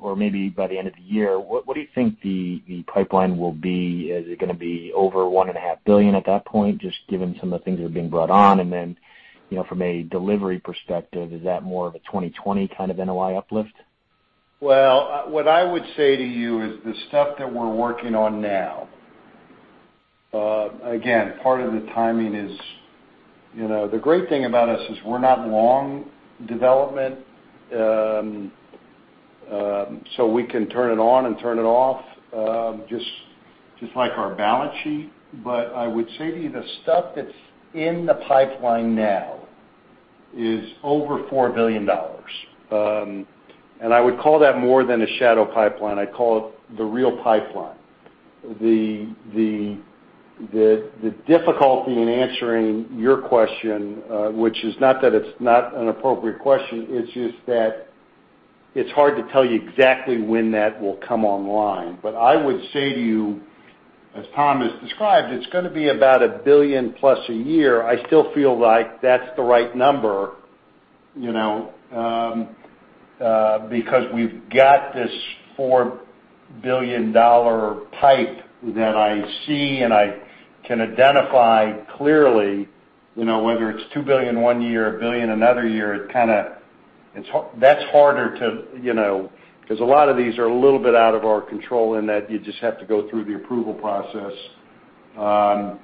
or maybe by the end of the year, what do you think the pipeline will be? Is it going to be over $1.5 billion at that point, just given some of the things that are being brought on? Then, from a delivery perspective, is that more of a 2020 kind of NOI uplift? What I would say to you is the stuff that we're working on now. Part of the timing is The great thing about us is we're not long development, so we can turn it on and turn it off, just like our balance sheet. I would say to you, the stuff that's in the pipeline now is over $4 billion. I would call that more than a shadow pipeline. I'd call it the real pipeline. The difficulty in answering your question, which is not that it's not an appropriate question, it's just that it's hard to tell you exactly when that will come online. I would say to you, as Tom has described, it's going to be about a billion plus a year. I still feel like that's the right number, because we've got this $4 billion pipe that I see and I can identify clearly, whether it's $2 billion one year or a billion another year. Because a lot of these are a little bit out of our control in that you just have to go through the approval process. The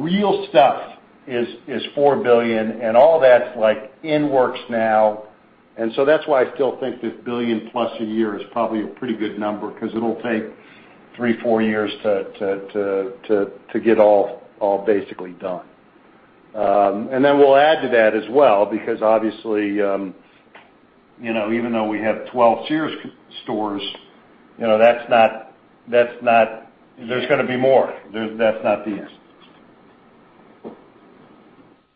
real stuff is $4 billion, and all that's in works now. That's why I still think that billion plus a year is probably a pretty good number, because it'll take three, four years to get all basically done. Then we'll add to that as well, because obviously, even though we have 12 Sears stores, there's going to be more. That's not the end.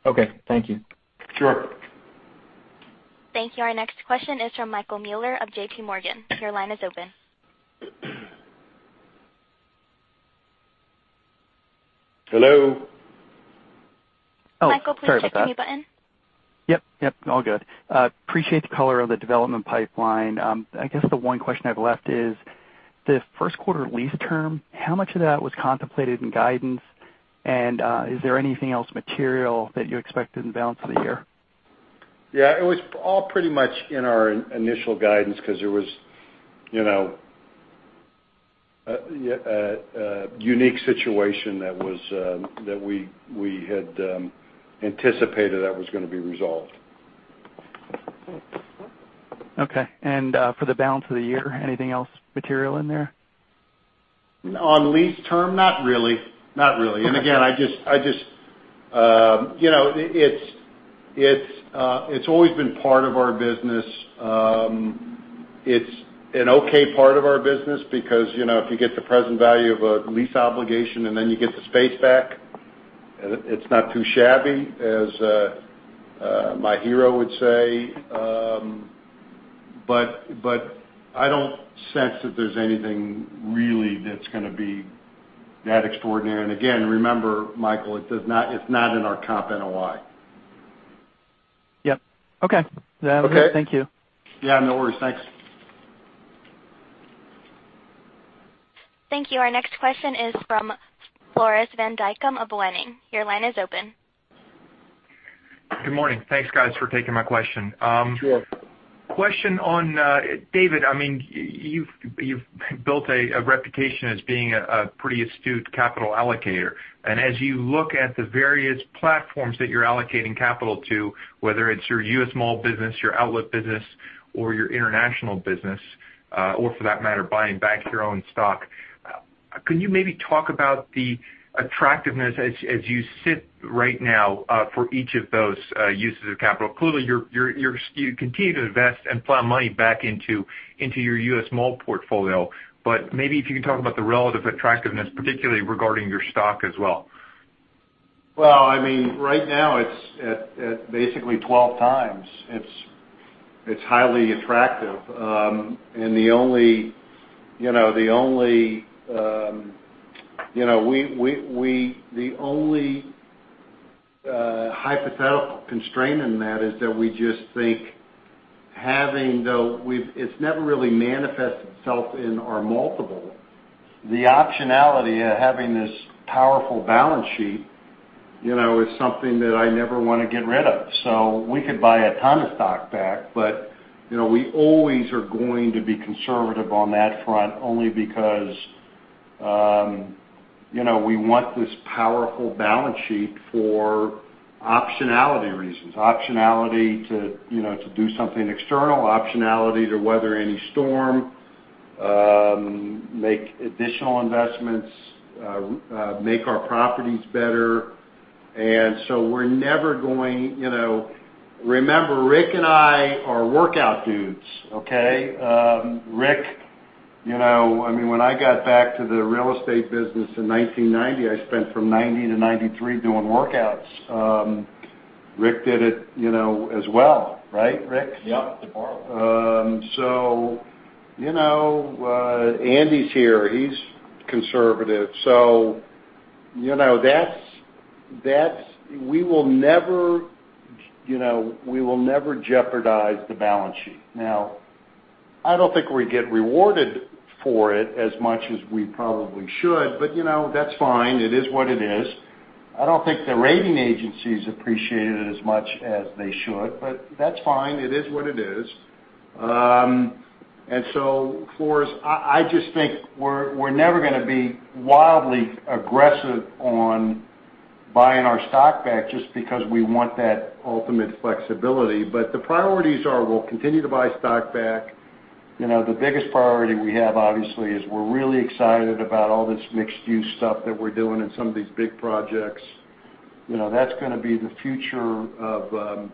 Okay. Thank you. Sure. Thank you. Our next question is from Michael Mueller of J.P. Morgan. Your line is open. Hello? Oh, sorry about that. Michael, please push your mute button. Yep, all good. Appreciate the color of the development pipeline. I guess the one question I have left is the first quarter lease term, how much of that was contemplated in guidance, and is there anything else material that you expected in the balance of the year? Yeah, it was all pretty much in our initial guidance because there was a unique situation that we had anticipated that was going to be resolved. Okay. For the balance of the year, anything else material in there? On lease term? Not really. Okay. Again, it's always been part of our business. It's an okay part of our business because, if you get the present value of a lease obligation and then you get the space back, it's not too shabby, as my hero would say. I don't sense that there's anything really that's going to be that extraordinary. Again, remember, Michael, it's not in our comp NOI. Yep. Okay. Okay. Thank you. Yeah, no worries. Thanks. Thank you. Our next question is from Floris van Dijkum of Bank of America. Your line is open. Good morning. Thanks, guys, for taking my question. Sure. Question on, David, you've built a reputation as being a pretty astute capital allocator. As you look at the various platforms that you're allocating capital to, whether it's your U.S. mall business, your outlet business, or your international business, or for that matter, buying back your own stock, can you maybe talk about the attractiveness as you sit right now for each of those uses of capital? Clearly, you continue to invest and plow money back into your U.S. mall portfolio. Maybe if you can talk about the relative attractiveness, particularly regarding your stock as well. Well, right now, it's at basically 12 times. It's highly attractive. The only hypothetical constraint in that is that we just think having It's never really manifested itself in our multiple. The optionality of having this powerful balance sheet, is something that I never want to get rid of. We could buy a ton of stock back, but we always are going to be conservative on that front only because We want this powerful balance sheet for optionality reasons. Optionality to do something external, optionality to weather any storm, make additional investments, make our properties better. We're never going Remember, Rick and I are workout dudes, okay? Rick, when I got back to the real estate business in 1990, I spent from 1990 to 1993 doing workouts. Rick did it as well, right, Rick? Yep. Tomorrow. Andy's here. He's conservative. We will never jeopardize the balance sheet. Now, I don't think we get rewarded for it as much as we probably should, but that's fine. It is what it is. I don't think the rating agencies appreciate it as much as they should, but that's fine. It is what it is. Floris, I just think we're never going to be wildly aggressive on buying our stock back just because we want that ultimate flexibility. The priorities are, we'll continue to buy stock back. The biggest priority we have, obviously, is we're really excited about all this mixed-use stuff that we're doing in some of these big projects. That's going to be the future of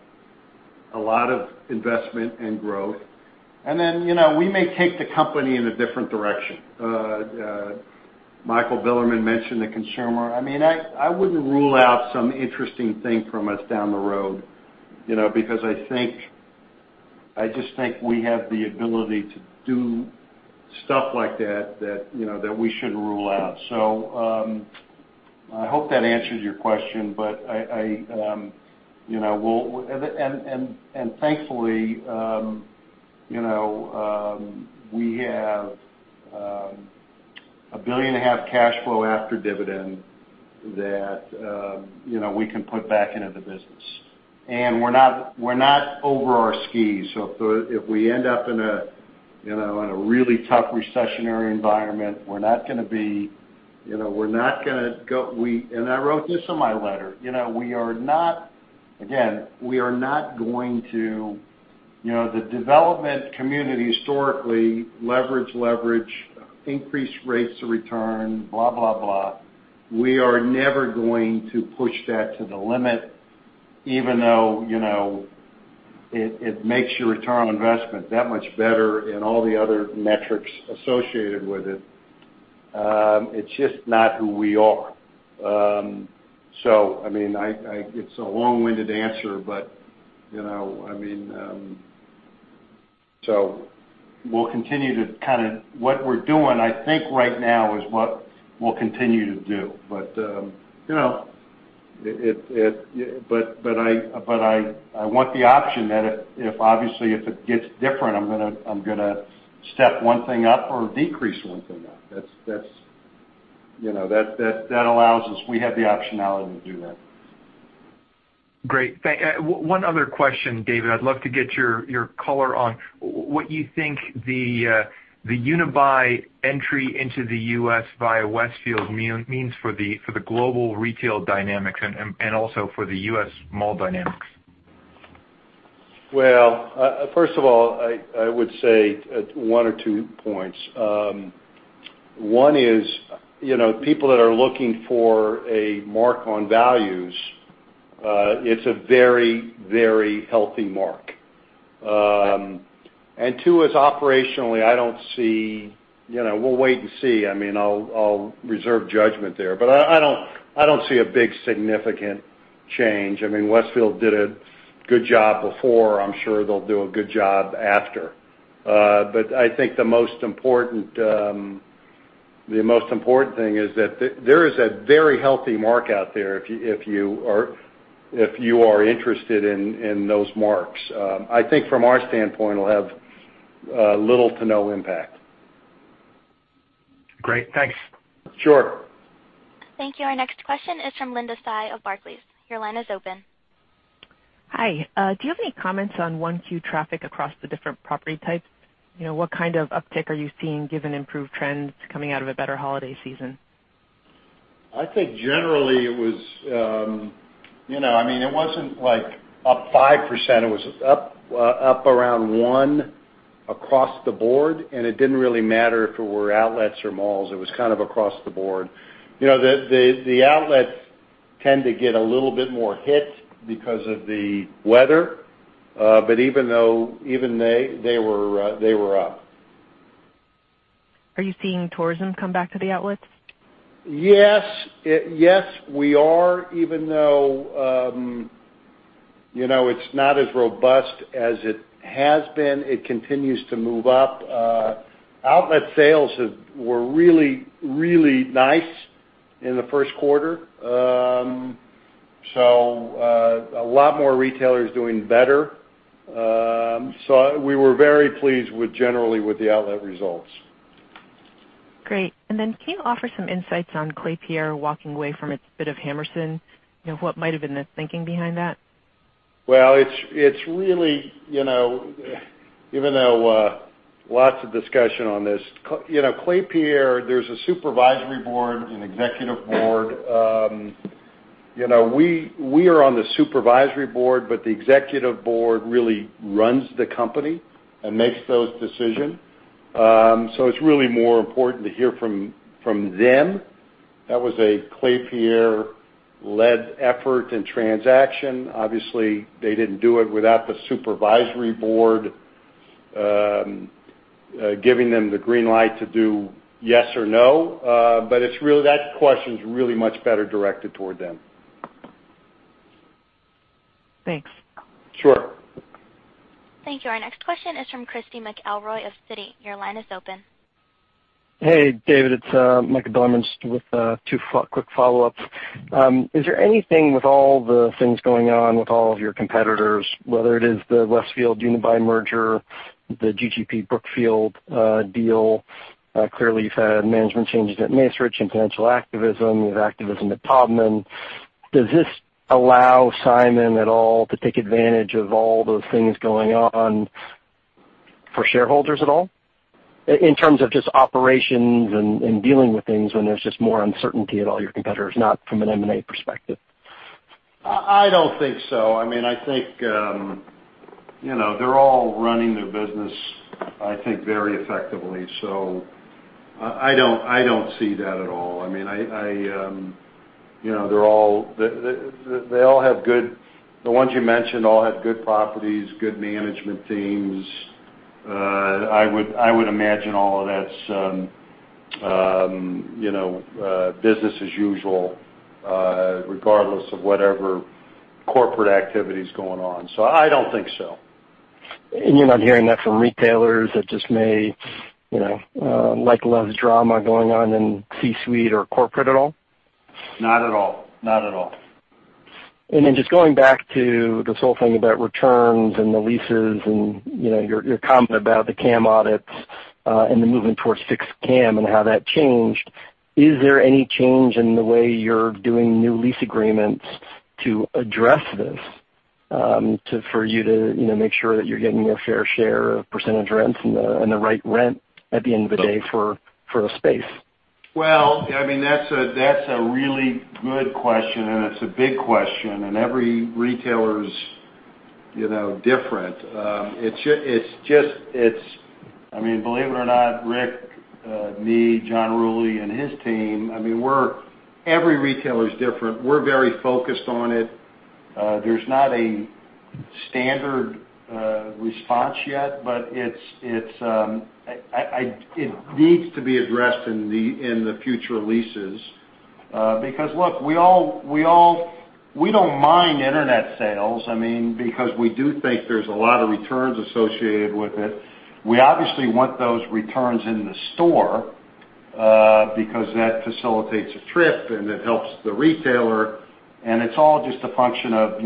a lot of investment and growth. We may take the company in a different direction. Michael Bilerman mentioned the consumer. I wouldn't rule out some interesting thing from us down the road, because I just think we have the ability to do stuff like that we shouldn't rule out. I hope that answers your question. Thankfully, we have $1.5 billion cash flow after dividend that we can put back into the business. We're not over our skis. If we end up in a really tough recessionary environment, we're not going to be. I wrote this in my letter. Again, we are not going to. The development community historically, leverage, increase rates of return, blah, blah. We are never going to push that to the limit, even though, it makes your return on investment that much better and all the other metrics associated with it. It's just not who we are. It's a long-winded answer, but we'll continue to kind of what we're doing, I think right now is what we'll continue to do. I want the option that if obviously it gets different, I'm going to step one thing up or decrease one thing up. That allows us, we have the optionality to do that. Great. One other question, David. I'd love to get your color on what you think the Unibail entry into the U.S. via Westfield means for the global retail dynamics and also for the U.S. mall dynamics. First of all, I would say one or two points. One is, people that are looking for a mark on values, it's a very, very healthy mark. Two is operationally, We'll wait and see. I'll reserve judgment there. I don't see a big significant change. Westfield did a good job before. I'm sure they'll do a good job after. I think the most important thing is that there is a very healthy mark out there if you are interested in those marks. I think from our standpoint, it'll have little to no impact. Great. Thanks. Sure. Thank you. Our next question is from Linda Tsai of Barclays. Your line is open. Hi. Do you have any comments on 1Q traffic across the different property types? What kind of uptick are you seeing given improved trends coming out of a better holiday season? I think generally, it wasn't like up 5%, it was up around one across the board. It didn't really matter if it were outlets or malls. It was kind of across the board. The outlets tend to get a little bit more hit because of the weather. Even they were up. Are you seeing tourism come back to the outlets? Yes. Yes, we are, even though it's not as robust as it has been. It continues to move up. Outlet sales were really, really nice in the first quarter. A lot more retailers doing better. We were very pleased generally with the outlet results. Can you offer some insights on Klépierre walking away from its bid of Hammerson? What might have been the thinking behind that? Well, even though lots of discussion on this, Klépierre, there's a supervisory board, an executive board. We are on the supervisory board, but the executive board really runs the company and makes those decisions. It's really more important to hear from them. That was a Klépierre-led effort and transaction. Obviously, they didn't do it without the supervisory board giving them the green light to do yes or no. That question's really much better directed toward them. Thanks. Sure. Thank you. Our next question is from Christy McElroy of Citi. Your line is open. Hey, David, it's Michael Bilerman, just with two quick follow-ups. Is there anything with all the things going on with all of your competitors, whether it is the Westfield Unibail-Rodamco merger, the GGP Brookfield deal, clearly you've had management changes at Macerich and potential activism. You have activism at Taubman. Does this allow Simon at all to take advantage of all those things going on for shareholders at all, in terms of just operations and dealing with things when there's just more uncertainty at all your competitors, not from an M&A perspective? I don't think so. I think they're all running their business, I think very effectively. I don't see that at all. The ones you mentioned all have good properties, good management teams. I would imagine all of that's business as usual, regardless of whatever corporate activity is going on. I don't think so. You're not hearing that from retailers that just may, like love drama going on in C-suite or corporate at all? Not at all. Just going back to this whole thing about returns and the leases and your comment about the CAM audits, and the movement towards fixed CAM and how that changed. Is there any change in the way you're doing new lease agreements to address this, for you to make sure that you're getting your fair share of percentage rents and the right rent at the end of the day for a space? Well, that's a really good question, and it's a big question. Every retailer is different. Believe it or not, Rick, me, John Rulli, and his team, every retailer is different. We're very focused on it. There's not a standard response yet, but it needs to be addressed in the future leases. Look, we don't mind Internet sales, we do think there's a lot of returns associated with it. We obviously want those returns in the store, because that facilitates a trip and it helps the retailer, and it's all just a function of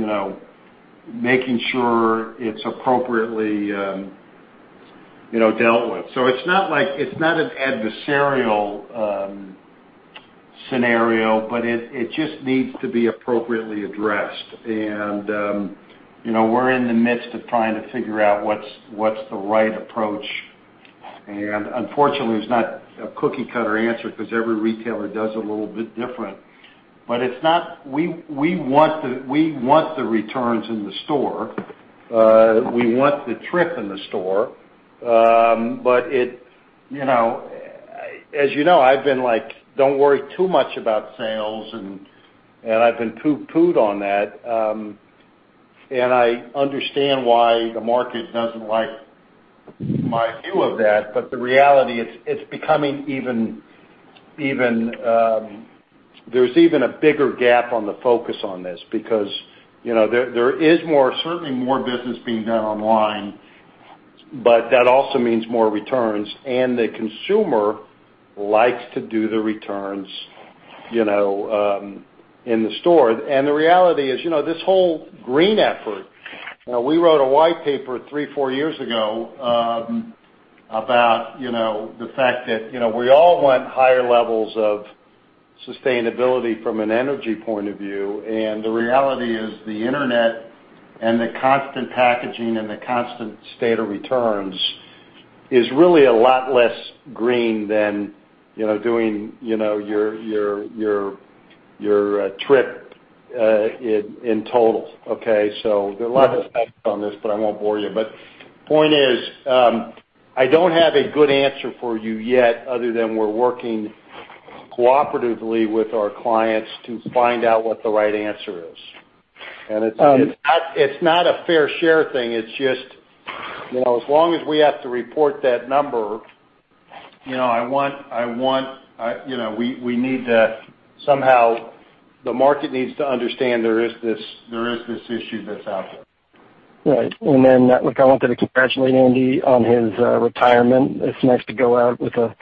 making sure it's appropriately dealt with. It's not an adversarial scenario, but it just needs to be appropriately addressed. We're in the midst of trying to figure out what's the right approach. Unfortunately, there's not a cookie-cutter answer because every retailer does a little bit different. We want the returns in the store. We want the trip in the store. As you know, I've been like, "Don't worry too much about sales," and I've been pooh-poohed on that. I understand why the market doesn't like my view of that. The reality, there's even a bigger gap on the focus on this because there is certainly more business being done online, but that also means more returns, and the consumer likes to do the returns in the store. The reality is, this whole green effort, we wrote a white paper three, four years ago, about the fact that we all want higher levels of sustainability from an energy point of view. The reality is the Internet and the constant packaging and the constant state of returns is really a lot less green than doing your trip in total. Okay, there are a lot of aspects on this, but I won't bore you. The point is, I don't have a good answer for you yet other than we're working cooperatively with our clients to find out what the right answer is. It's not a fair share thing. As long as we have to report that number, somehow the market needs to understand there is this issue that's out there. Right. Look, I wanted to congratulate Andy on his retirement. It's nice to go out with a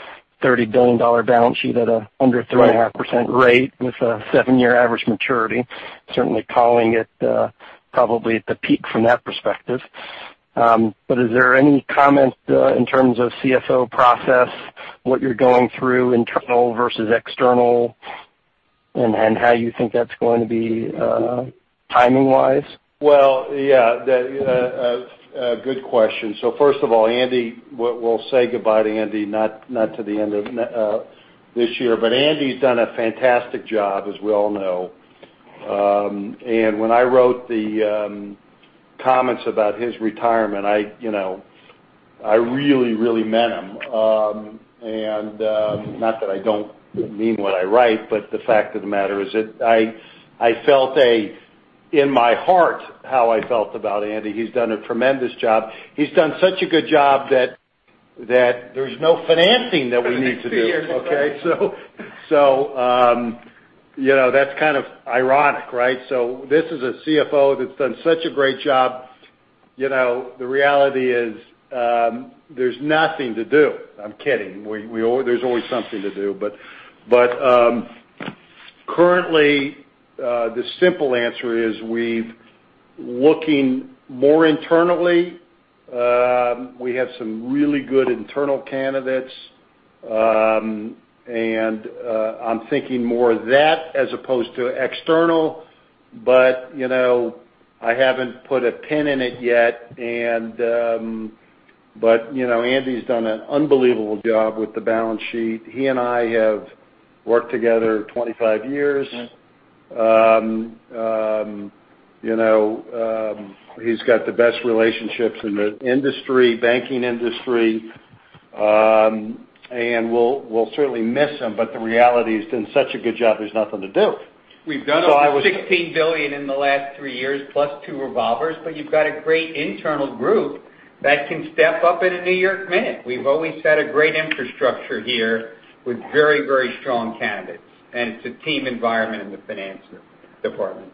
$30 billion balance sheet at a under 3.5% rate with a seven-year average maturity. Certainly calling it probably at the peak from that perspective. Is there any comment in terms of CFO process, what you're going through internal versus external? How you think that's going to be timing-wise? Well, yeah. Good question. First of all, Andy, we'll say goodbye to Andy, not to the end of this year. Andy's done a fantastic job, as we all know. When I wrote the comments about his retirement, I really meant them. Not that I don't mean what I write, the fact of the matter is that I felt in my heart how I felt about Andy. He's done a tremendous job. He's done such a good job that there's no financing that we need to do. Okay? That's kind of ironic, right? This is a CFO that's done such a great job. The reality is, there's nothing to do. I'm kidding. There's always something to do. Currently, the simple answer is we're looking more internally. We have some really good internal candidates, and I'm thinking more of that as opposed to external. I haven't put a pin in it yet. Andy's done an unbelievable job with the balance sheet. He and I have worked together 25 years. Right. He's got the best relationships in the industry, banking industry. We'll certainly miss him, the reality, he's done such a good job, there's nothing to do. We've done over $16 billion in the last three years, plus two revolvers. You've got a great internal group that can step up in a New York minute. We've always had a great infrastructure here with very strong candidates, and it's a team environment in the finance department.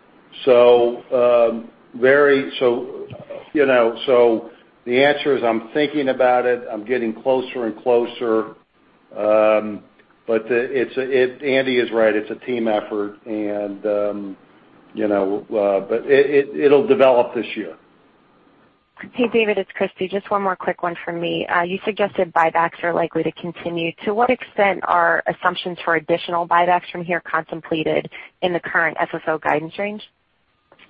The answer is, I'm thinking about it. I'm getting closer and closer. Andy is right. It's a team effort. It'll develop this year. Hey, David, it's Christy. Just one more quick one from me. You suggested buybacks are likely to continue. To what extent are assumptions for additional buybacks from here contemplated in the current FFO guidance range?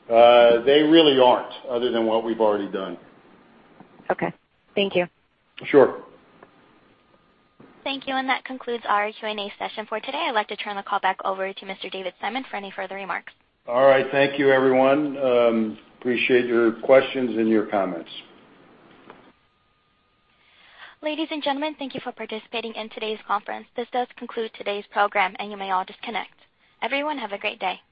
They really aren't, other than what we've already done. Okay. Thank you. Sure. Thank you. That concludes our Q&A session for today. I'd like to turn the call back over to Mr. David Simon for any further remarks. All right. Thank you, everyone. Appreciate your questions and your comments. Ladies and gentlemen, thank you for participating in today's conference. This does conclude today's program. You may all disconnect. Everyone, have a great day.